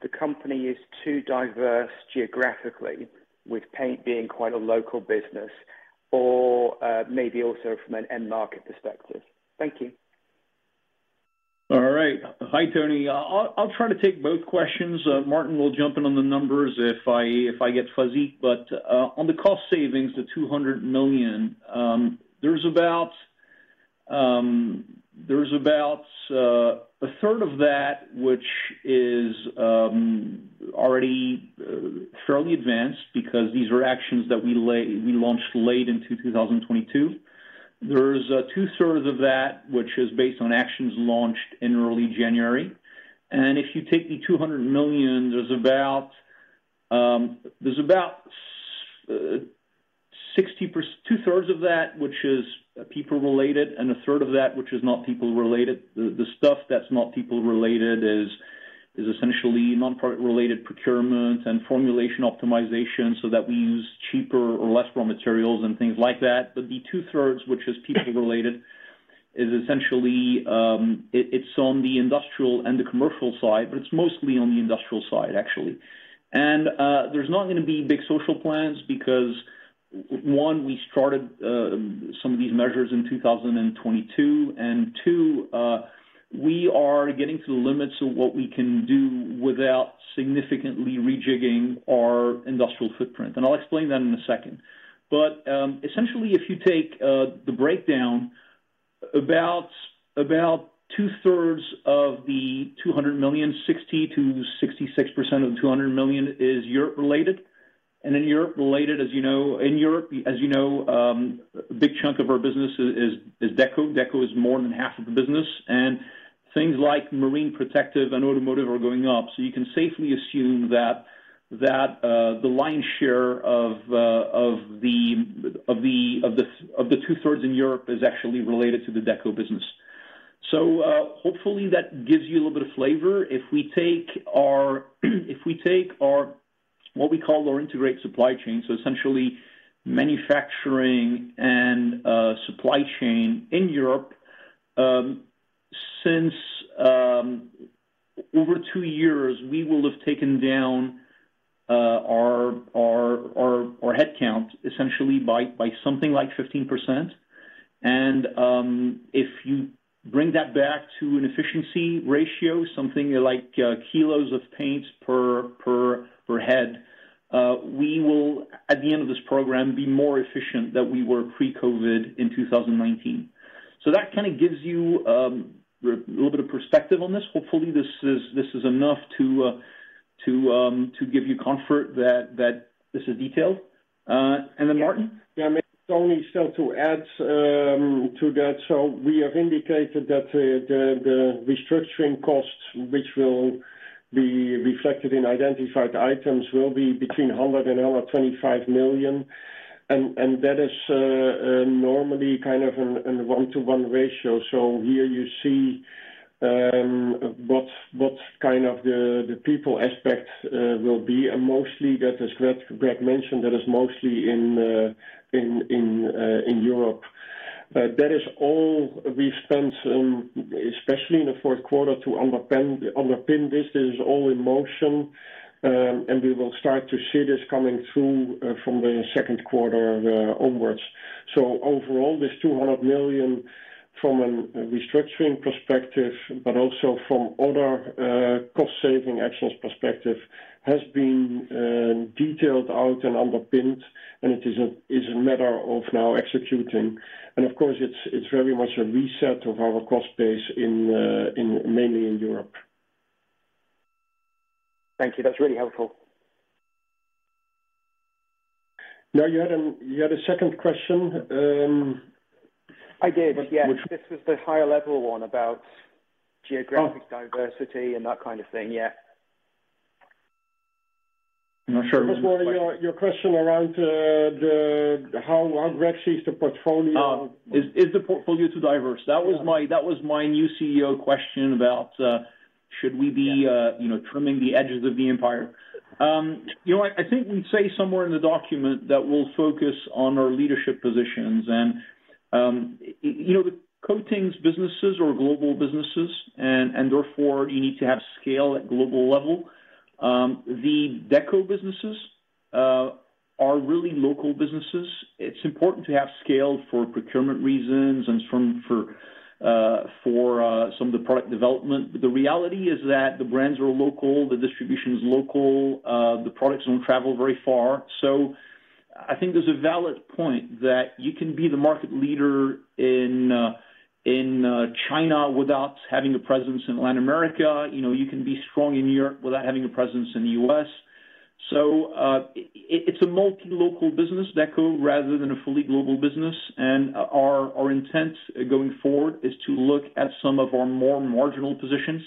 the company is too diverse geographically with paint being quite a local business or maybe also from an end market perspective? Thank you. All right. Hi, Tony. I'll try to take both questions. Maarten will jump in on the numbers if I get fuzzy. On the cost savings, the 200 million, there's about a third of that which is already fairly advanced because these were actions that we launched late into 2022. There's two-thirds of that, which is based on actions launched in early January. If you take the 200 million, there's about two-thirds of that, which is people-related and a third of that which is not people-related. The stuff that's not people-related is essentially non-profit related procurement and formulation optimization so that we use cheaper or less raw materials and things like that. The two thirds, which is people-related, is essentially, it's on the industrial and the commercial side, but it's mostly on the industrial side, actually. There's not gonna be big social plans because, one, we started some of these measures in 2022, and two, we are getting to the limits of what we can do without significantly rejigging our industrial footprint. I'll explain that in a second. Essentially, if you take the breakdown. About two thirds of the 200 million, 60%-66% of the 200 million is Europe-related. In Europe-related, as you know, in Europe, as you know, a big chunk of our business is Deco. Deco is more than half of the business. Things like marine protective and automotive are going up. You can safely assume that the lion's share of the 2/3 in Europe is actually related to the deco business. Hopefully that gives you a little bit of flavor. If we take our what we call our integrated supply chain, so essentially manufacturing and supply chain in Europe, since over two years, we will have taken down our headcount essentially by something like 15%. If you bring that back to an efficiency ratio, something like kilos of paints per head, we will at the end of this program, be more efficient than we were pre-COVID in 2019. That kind of gives you a little bit of perspective on this. Hopefully this is enough to give you comfort that this is detailed. Then Maarten? Maybe only still to add to that. We have indicated that the restructuring costs, which will be reflected in Identified items, will be between 100 million and 125 million. And that is normally kind of a one-to-one ratio. Here you see what kind of the people aspect will be. Mostly that as Greg mentioned, that is mostly in Europe. That is all we've spent especially in the fourth quarter to underpin this. This is all in motion, we will start to see this coming through from the second quarter onwards. overall, this 200 million from a restructuring perspective, but also from other, cost saving actions perspective, has been detailed out and underpinned, it's a matter of now executing. of course, it's very much a reset of our cost base in mainly Europe. Thank you. That's really helpful. You had a second question. I did, yes. This was the higher level one about geographic diversity and that kind of thing. Yeah. I'm not sure which one. Your question around how Greg sees the portfolio. is the portfolio too diverse? Yeah. That was my new CEO question about should we be, you know, trimming the edges of the empire. you know what? I think we say somewhere in the document that we'll focus on our leadership positions and, you know, the coatings businesses or global businesses and therefore you need to have scale at global level. The Deco businesses are really local businesses. It's important to have scale for procurement reasons and for some of the product development. The reality is that the brands are local, the distribution is local, the products don't travel very far. I think there's a valid point that you can be the market leader in China without having a presence in Latin America. You know, you can be strong in Europe without having a presence in the U.S. it's a multi-local business, Deco, rather than a fully global business. Our intent going forward is to look at some of our more marginal positions,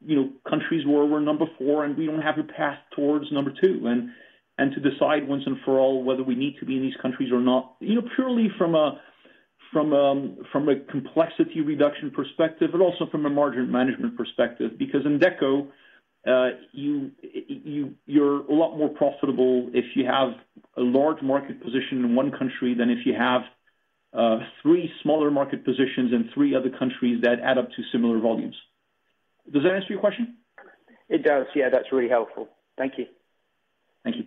you know, countries where we're number four, and we don't have a path towards number two. To decide once and for all whether we need to be in these countries or not, you know, purely from a complexity reduction perspective, but also from a margin management perspective. In Deco, you're a lot more profitable if you have a large market position in one country than if you have three smaller market positions in three other countries that add up to similar volumes. Does that answer your question? It does, yeah. That's really helpful. Thank you. Thank you.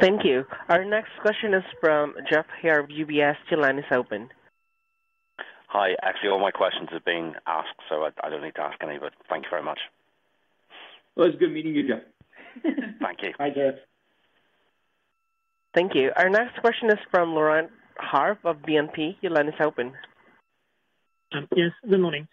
Thank you. Our next question is from Jeff Harwood of UBS. Your line is open. Hi. Actually, all my questions have been asked, so I don't need to ask any, but thank you very much. Well, it's good meeting you, Jeff. Thank you. Bye, Jeff. Thank you. Our next question is from Laurent Favre of BNP. Your line is open. Yes, good morning.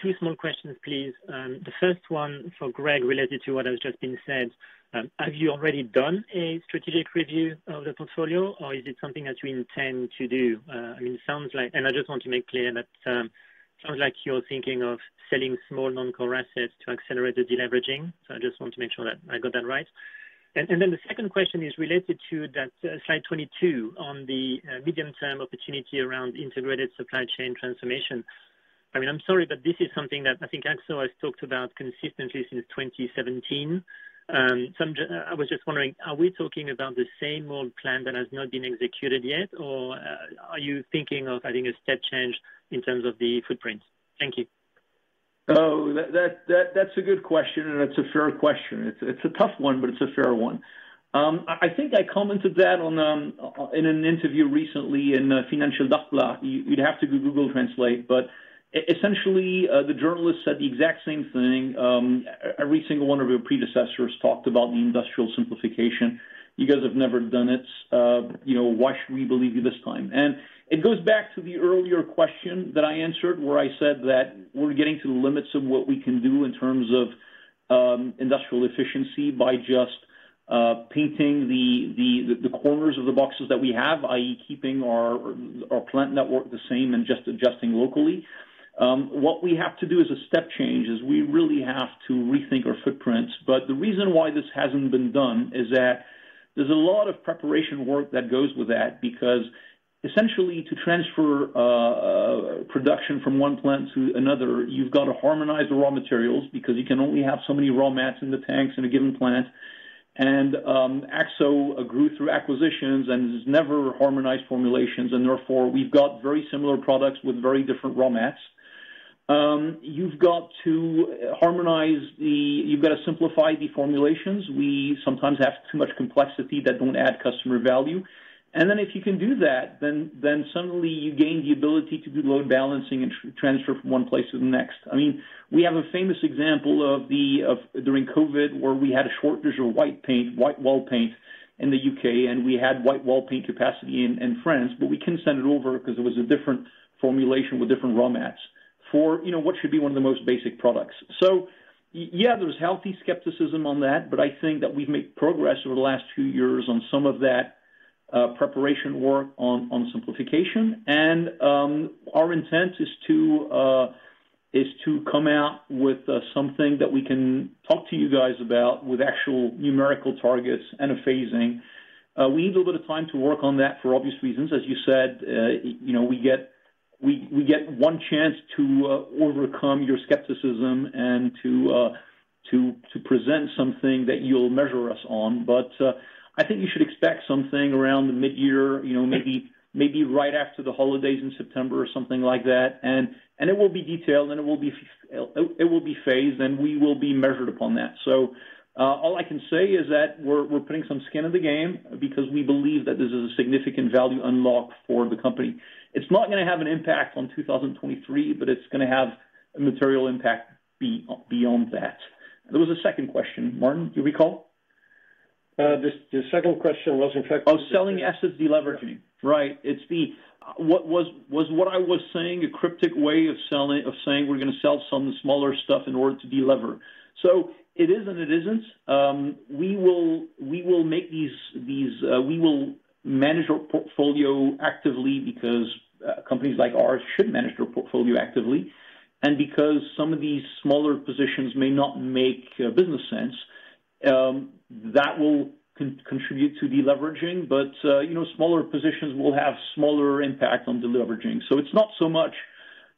Two small questions, please. The first one for Greg, related to what has just been said. Have you already done a strategic review of the portfolio, or is it something that you intend to do? I mean, it sounds like. I just want to make clear that sounds like you're thinking of selling small non-core assets to accelerate the deleveraging. I just want to make sure that I got that right. Then the second question is related to that slide 22 on the medium-term opportunity around integrated supply chain transformation. I'm sorry, this is something that I think AkzoNobel has talked about consistently since 2017. I was just wondering, are we talking about the same old plan that has not been executed yet, or are you thinking of having a step change in terms of the footprint? Thank you. That's a good question, and it's a fair question. It's a tough one, but it's a fair one. I think I commented that on in an interview recently in Financial Times. You, you'd have to do Google Translate, but essentially the journalist said the exact same thing. Every single one of your predecessors talked about the industrial simplification. You guys have never done it. You know, why should we believe you this time? It goes back to the earlier question that I answered, where I said that we're getting to the limits of what we can do in terms of industrial efficiency by just painting the corners of the boxes that we have, i.e., keeping our plant network the same and just adjusting locally. What we have to do as a step change is we really have to rethink our footprints. The reason why this hasn't been done is that there's a lot of preparation work that goes with that, because essentially, to transfer production from one plant to another, you've got to harmonize the raw materials because you can only have so many raw mats in the tanks in a given plant. Akzo grew through acquisitions and has never harmonized formulations, and therefore we've got very similar products with very different raw mats. You've got to simplify the formulations. We sometimes have too much complexity that don't add customer value. If you can do that, then suddenly you gain the ability to do load balancing and transfer from one place to the next. I mean, we have a famous example of during COVID, where we had a shortage of white paint, white wall paint in the U.K., and we had white wall paint capacity in France, but we couldn't send it over 'cause it was a different formulation with different raw mats for, you know, what should be one of the most basic products. Yeah, there's healthy skepticism on that, but I think that we've made progress over the last few years on some of that preparation work on simplification. Our intent is to come out with something that we can talk to you guys about with actual numerical targets and a phasing. We need a little bit of time to work on that for obvious reasons. As you said, you know, we get one chance to overcome your skepticism and to present something that you'll measure us on. I think you should expect something around the mid-year, you know, maybe right after the holidays in September or something like that. It will be detailed, and it will be phased, and we will be measured upon that. All I can say is that we're putting some skin in the game because we believe that this is a significant value unlock for the company. It's not gonna have an impact on 2023, but it's gonna have a material impact beyond that. There was a second question. Maarten, do you recall? The second question was. Selling assets deleveraging. Right. It's what I was saying a cryptic way of saying we're gonna sell some smaller stuff in order to delever. It is and it isn't. We will make these, we will manage our portfolio actively because companies like ours should manage their portfolio actively. Because some of these smaller positions may not make business sense, that will contribute to deleveraging. You know, smaller positions will have smaller impact on deleveraging. It's not so much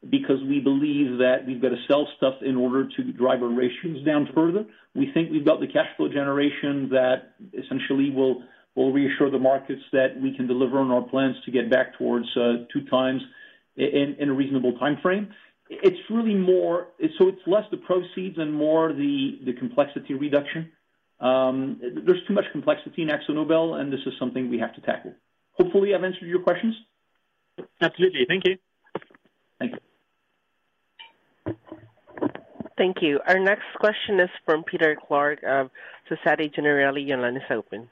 because we believe that we've got to sell stuff in order to drive our ratios down further. We think we've got the cash flow generation that essentially will reassure the markets that we can deliver on our plans to get back towards 2 times in a reasonable timeframe. It's really more... So it's less the proceeds and more the complexity reduction. There's too much complexity in AkzoNobel, and this is something we have to tackle. Hopefully, I've answered your questions. Absolutely. Thank you. Thank you. Thank you. Our next question is from Peter Clark of Societe Generale. Your line is open.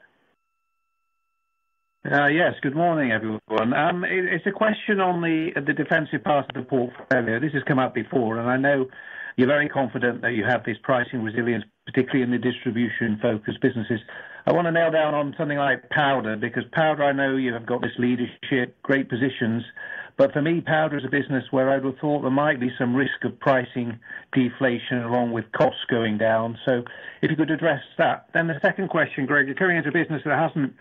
Yes. Good morning, everyone. It's a question on the defensive part of the portfolio. This has come up before, and I know you're very confident that you have this pricing resilience, particularly in the distribution-focused businesses. I wanna nail down on something like powder, because powder, I know you have got this leadership, great positions. For me, powder is a business where I would have thought there might be some risk of pricing deflation along with costs going down. If you could address that. The second question, Greg, you're coming into a business that hasn't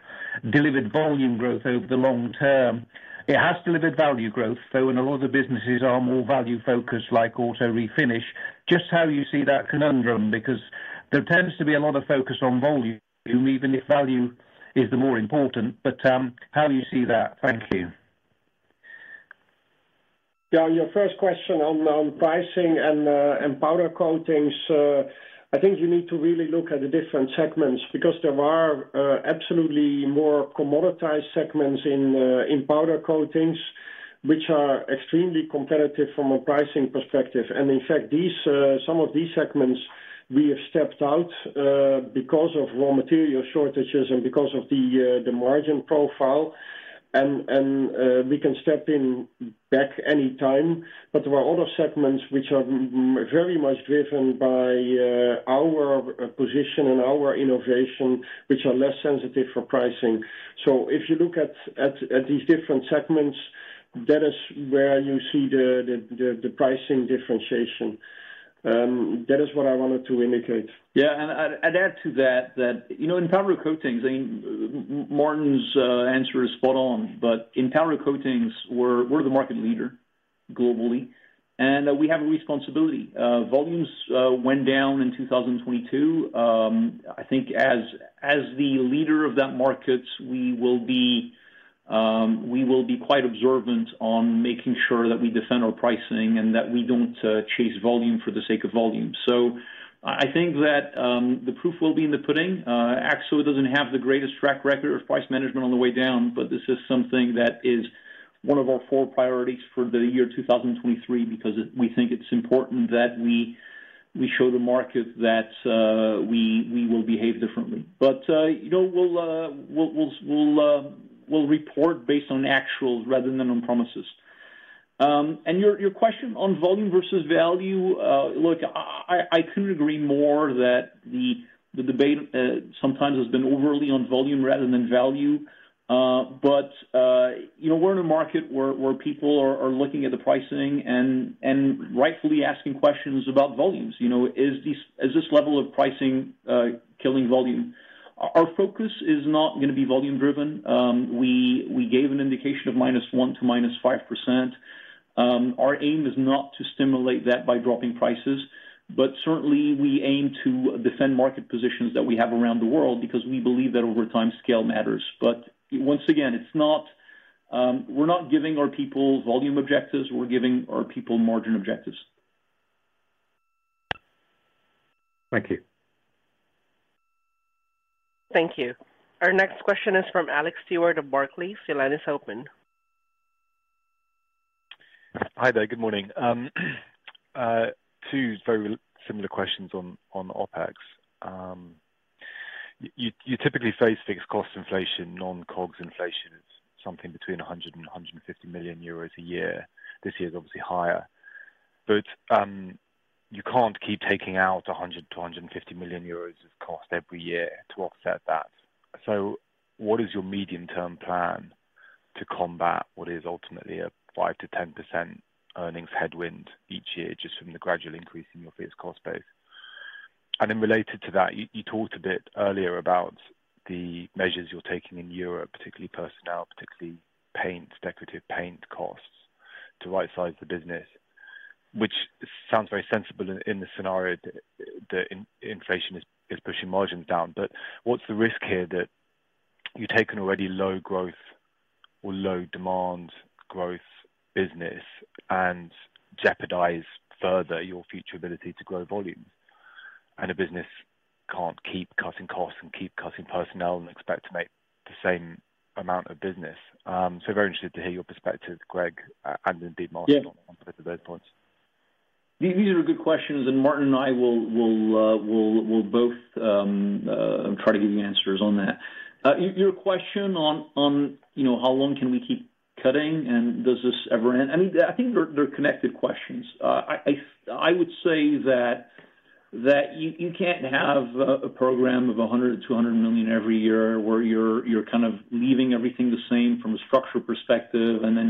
delivered volume growth over the long term. It has delivered value growth, though, and a lot of the businesses are more value-focused, like auto refinish. How you see that conundrum, because there tends to be a lot of focus on volume, even if value is the more important? How do you see that? Thank you. Yeah, on your first question on pricing and powder coatings, I think you need to really look at the different segments because there are absolutely more commoditized segments in powder coatings, which are extremely competitive from a pricing perspective. In fact, these some of these segments we have stepped out because of raw material shortages and because of the margin profile. We can step in back anytime. There are other segments which are very much driven by our position and our innovation, which are less sensitive for pricing. If you look at these different segments, that is where you see the pricing differentiation. That is what I wanted to indicate. Yeah. I'd add to that, you know, in powder coatings, I mean, Maarten's answer is spot on, but in powder coatings, we're the market leader globally, and we have a responsibility. Volumes went down in 2022. I think as the leader of that market, we will be quite observant on making sure that we defend our pricing and that we don't chase volume for the sake of volume. I think that the proof will be in the pudding. Akzo doesn't have the greatest track record of price management on the way down, this is something that is one of our four priorities for the year 2023, because we think it's important that we show the market that we will behave differently. You know, we'll, we'll report based on actuals rather than on promises. Your question on volume versus value, look, I couldn't agree more that the debate sometimes has been overly on volume rather than value. You know, we're in a market where people are looking at the pricing and rightfully asking questions about volumes. You know, is this level of pricing killing volume? Our focus is not gonna be volume driven. We gave an indication of -1% to -5%. Our aim is not to stimulate that by dropping prices, but certainly we aim to defend market positions that we have around the world because we believe that over time, scale matters. Once again, it's not, we're not giving our people volume objectives, we're giving our people margin objectives. Thank you. Thank you. Our next question is from Alex Stewart of Barclays. Your line is open. Hi there. Good morning. Two very similar questions on OpEx. You typically face fixed cost inflation, non-COGS inflation. It's something between 100 million-150 million euros a year. This year is obviously higher. You can't keep taking out 100 million-150 million euros of cost every year to offset that. What is your medium-term plan to combat what is ultimately a 5%-10% earnings headwind each year, just from the gradual increase in your fixed cost base? Related to that, you talked a bit earlier about the measures you're taking in Europe, particularly personnel, particularly paint, decorative paint costs to rightsize the business, which sounds very sensible in the scenario that inflation is pushing margins down. What's the risk here that you take an already low growth or low demand growth business and jeopardize further your future ability to grow volumes? A business can't keep cutting costs and keep cutting personnel and expect to make the same amount of business. Very interested to hear your perspective, Greg, and indeed Martin. Yeah on both of those points. These are good questions. Maarten and I will both try to give you answers on that. Your question on, you know, how long can we keep cutting and does this ever end? I mean, I think they're connected questions. I would say that you can't have a program of 100 million to 200 million every year where you're kind of leaving everything the same from a structural perspective, and then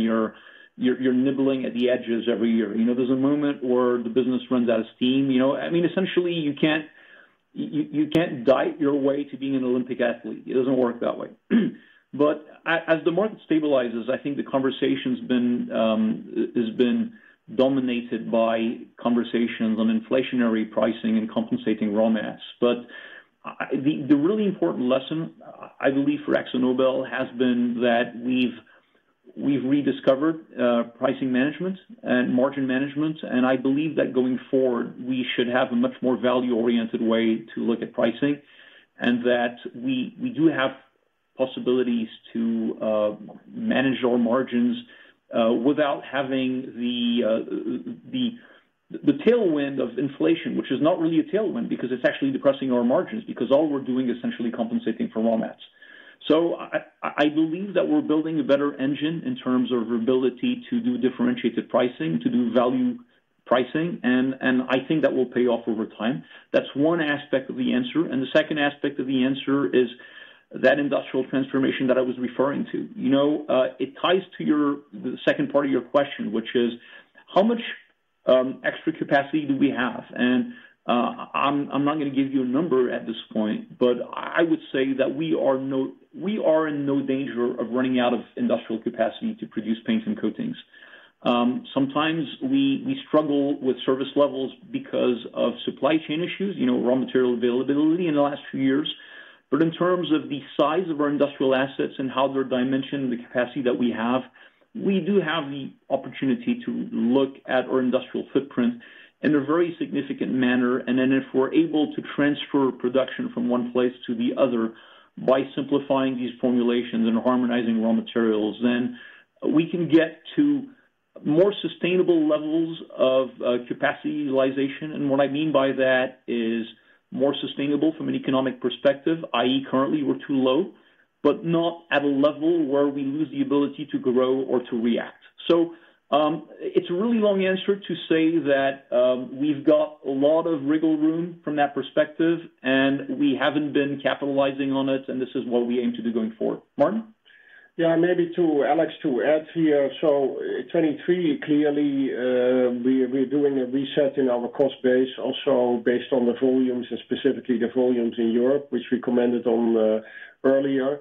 you're nibbling at the edges every year. You know, there's a moment where the business runs out of steam, you know. I mean, essentially, you can't diet your way to being an Olympic athlete. It doesn't work that way. As the market stabilizes, I think the conversation's been has been dominated by conversations on inflationary pricing and compensating raw mats. The really important lesson, I believe, for AkzoNobel has been that we've rediscovered pricing management and margin management. I believe that going forward, we should have a much more value-oriented way to look at pricing, and that we do have possibilities to manage our margins without having the tailwind of inflation, which is not really a tailwind because it's actually depressing our margins, because all we're doing is essentially compensating for raw mats. I believe that we're building a better engine in terms of our ability to do differentiated pricing, to do value pricing, and I think that will pay off over time. That's one aspect of the answer. The second aspect of the answer is that industrial transformation that I was referring to. You know, it ties to the second part of your question, which is how much extra capacity do we have? I'm not gonna give you a number at this point, but I would say that we are in no danger of running out of industrial capacity to produce paints and coatings. Sometimes we struggle with service levels because of supply chain issues, you know, raw material availability in the last few years. In terms of the size of our industrial assets and how they're dimensioned, the capacity that we have, we do have the opportunity to look at our industrial footprint in a very significant manner. If we're able to transfer production from one place to the other by simplifying these formulations and harmonizing raw materials, then we can get to more sustainable levels of capacity utilization. What I mean by that is more sustainable from an economic perspective, i.e. currently we're too low, but not at a level where we lose the ability to grow or to react. It's a really long answer to say that, we've got a lot of wiggle room from that perspective, and we haven't been capitalizing on it, and this is what we aim to do going forward. Martin? Yeah, maybe to Alex to add here. 2023, clearly, we're doing a reset in our cost base also based on the volumes and specifically the volumes in Europe, which we commented on earlier.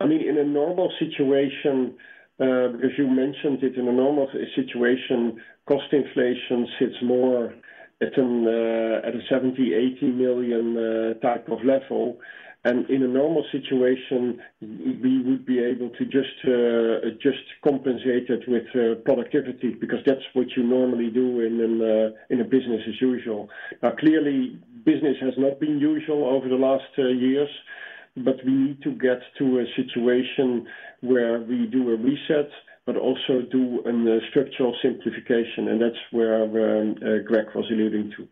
I mean, in a normal situation, because you mentioned it, in a normal situation, cost inflation sits more at an at a 70 million-80 million type of level. In a normal situation, we would be able to just compensate it with productivity because that's what you normally do in an in a business as usual. Clearly, business has not been usual over the last years. We need to get to a situation where we do a reset, but also do an structural simplification, and that's where Greg was alluding to.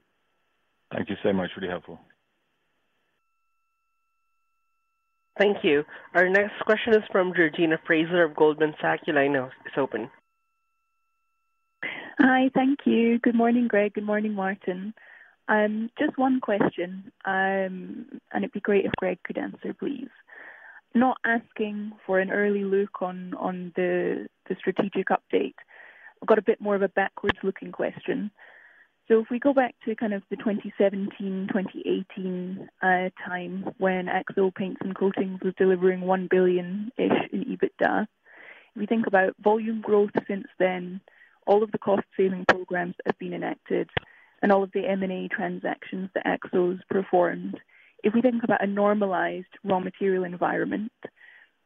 Thank you so much. Really helpful. Thank you. Our next question is from Georgina Fraser of Goldman Sachs. Your line is open. Hi. Thank you. Good morning, Greg. Good morning, Maarten. Just one question, and it'd be great if Greg could answer, please. Not asking for an early look on the strategic update. I've got a bit more of a backwards-looking question. If we go back to kind of the 2017, 2018 time when AkzoNobel Paints and Coatings was delivering 1 billion-ish in EBITDA, if we think about volume growth since then, all of the cost saving programs have been enacted and all of the M&A transactions that Akzo's performed. If we think about a normalized raw material environment,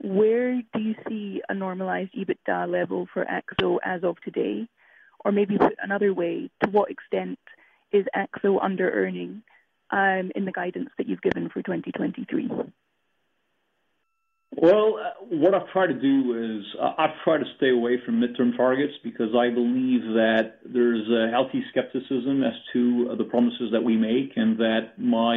where do you see a normalized EBITDA level for Akzo as of today? Maybe put another way, to what extent is Akzo under earning in the guidance that you've given for 2023? What I've tried to do is I try to stay away from midterm targets because I believe that there's a healthy skepticism as to the promises that we make, and that my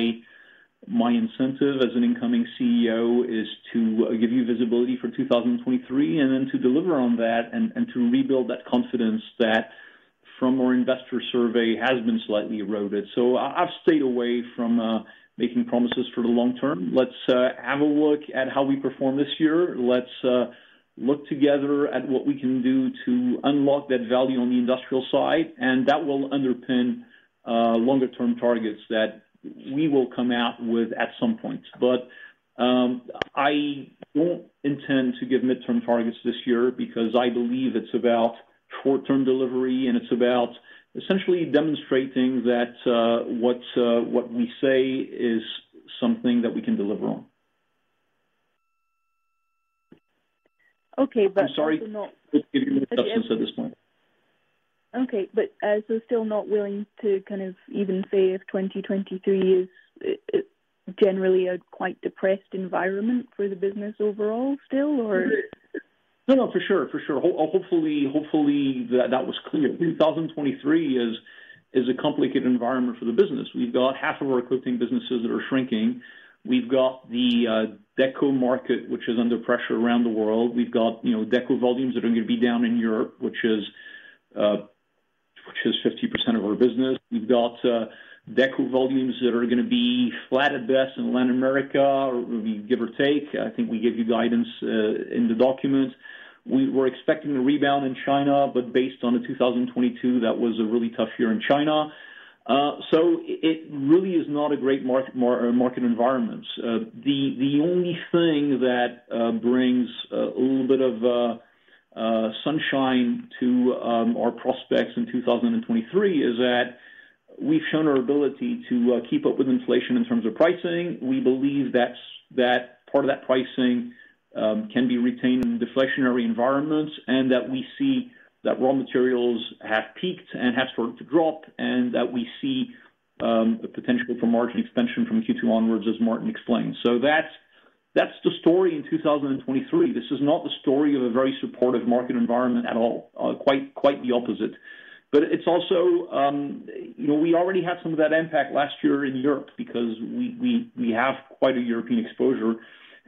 incentive as an incoming CEO is to give you visibility for 2023 and then to deliver on that and to rebuild that confidence that from our investor survey has been slightly eroded. I've stayed away from making promises for the long term. Let's have a look at how we perform this year. Let's look together at what we can do to unlock that value on the industrial side. That will underpin longer term targets that we will come out with at some point. I won't intend to give midterm targets this year because I believe it's about short-term delivery, and it's about essentially demonstrating that what we say is something that we can deliver on. Okay. also not- I'm sorry. Give you any adjustments at this point. Okay. Still not willing to kind of even say if 2023 is generally a quite depressed environment for the business overall still or? No, no, for sure. For sure. Hopefully that was clear. 2023 is a complicated environment for the business. We've got half of our coating businesses that are shrinking. We've got the deco market, which is under pressure around the world. We've got, you know, deco volumes that are gonna be down in Europe, which is, which is 50% of our business. We've got deco volumes that are gonna be flat at best in Latin America, give or take. I think we gave you guidance in the document. We were expecting a rebound in China, based on the 2022, that was a really tough year in China. It really is not a great market environment. The only thing that brings a little bit of sunshine to our prospects in 2023 is that we've shown our ability to keep up with inflation in terms of pricing. We believe that's part of that pricing can be retained in deflationary environments, and that we see that raw materials have peaked and have started to drop, and that we see the potential for margin expansion from Q2 onwards, as Martin explained. That's the story in 2023. This is not the story of a very supportive market environment at all, quite the opposite. It's also, you know, we already had some of that impact last year in Europe because we have quite a European exposure.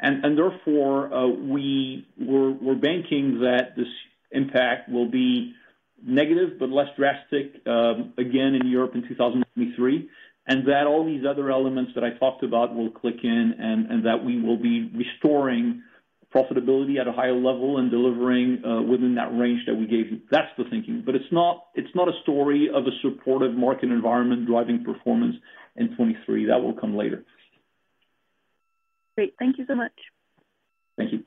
Therefore, we're banking that this impact will be negative but less drastic, again in Europe in 2023, and that all these other elements that I talked about will click in, and that we will be restoring profitability at a higher level and delivering within that range that we gave you. That's the thinking. It's not, it's not a story of a supportive market environment driving performance in 2023. That will come later. Great. Thank you so much. Thank you.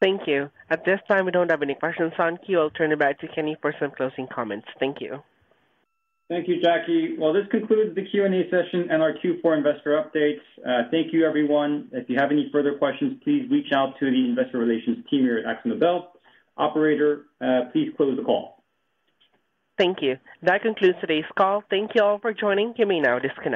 Thank you. At this time, we don't have any questions on queue. I'll turn it back to Kenny for some closing comments. Thank you. Thank you, Jackie. Well, this concludes the Q&A session and our Q4 investor update. Thank you, everyone. If you have any further questions, please reach out to the investor relations team here at AkzoNobel. Operator, please close the call. Thank you. That concludes today's call. Thank you all for joining. You may now disconnect.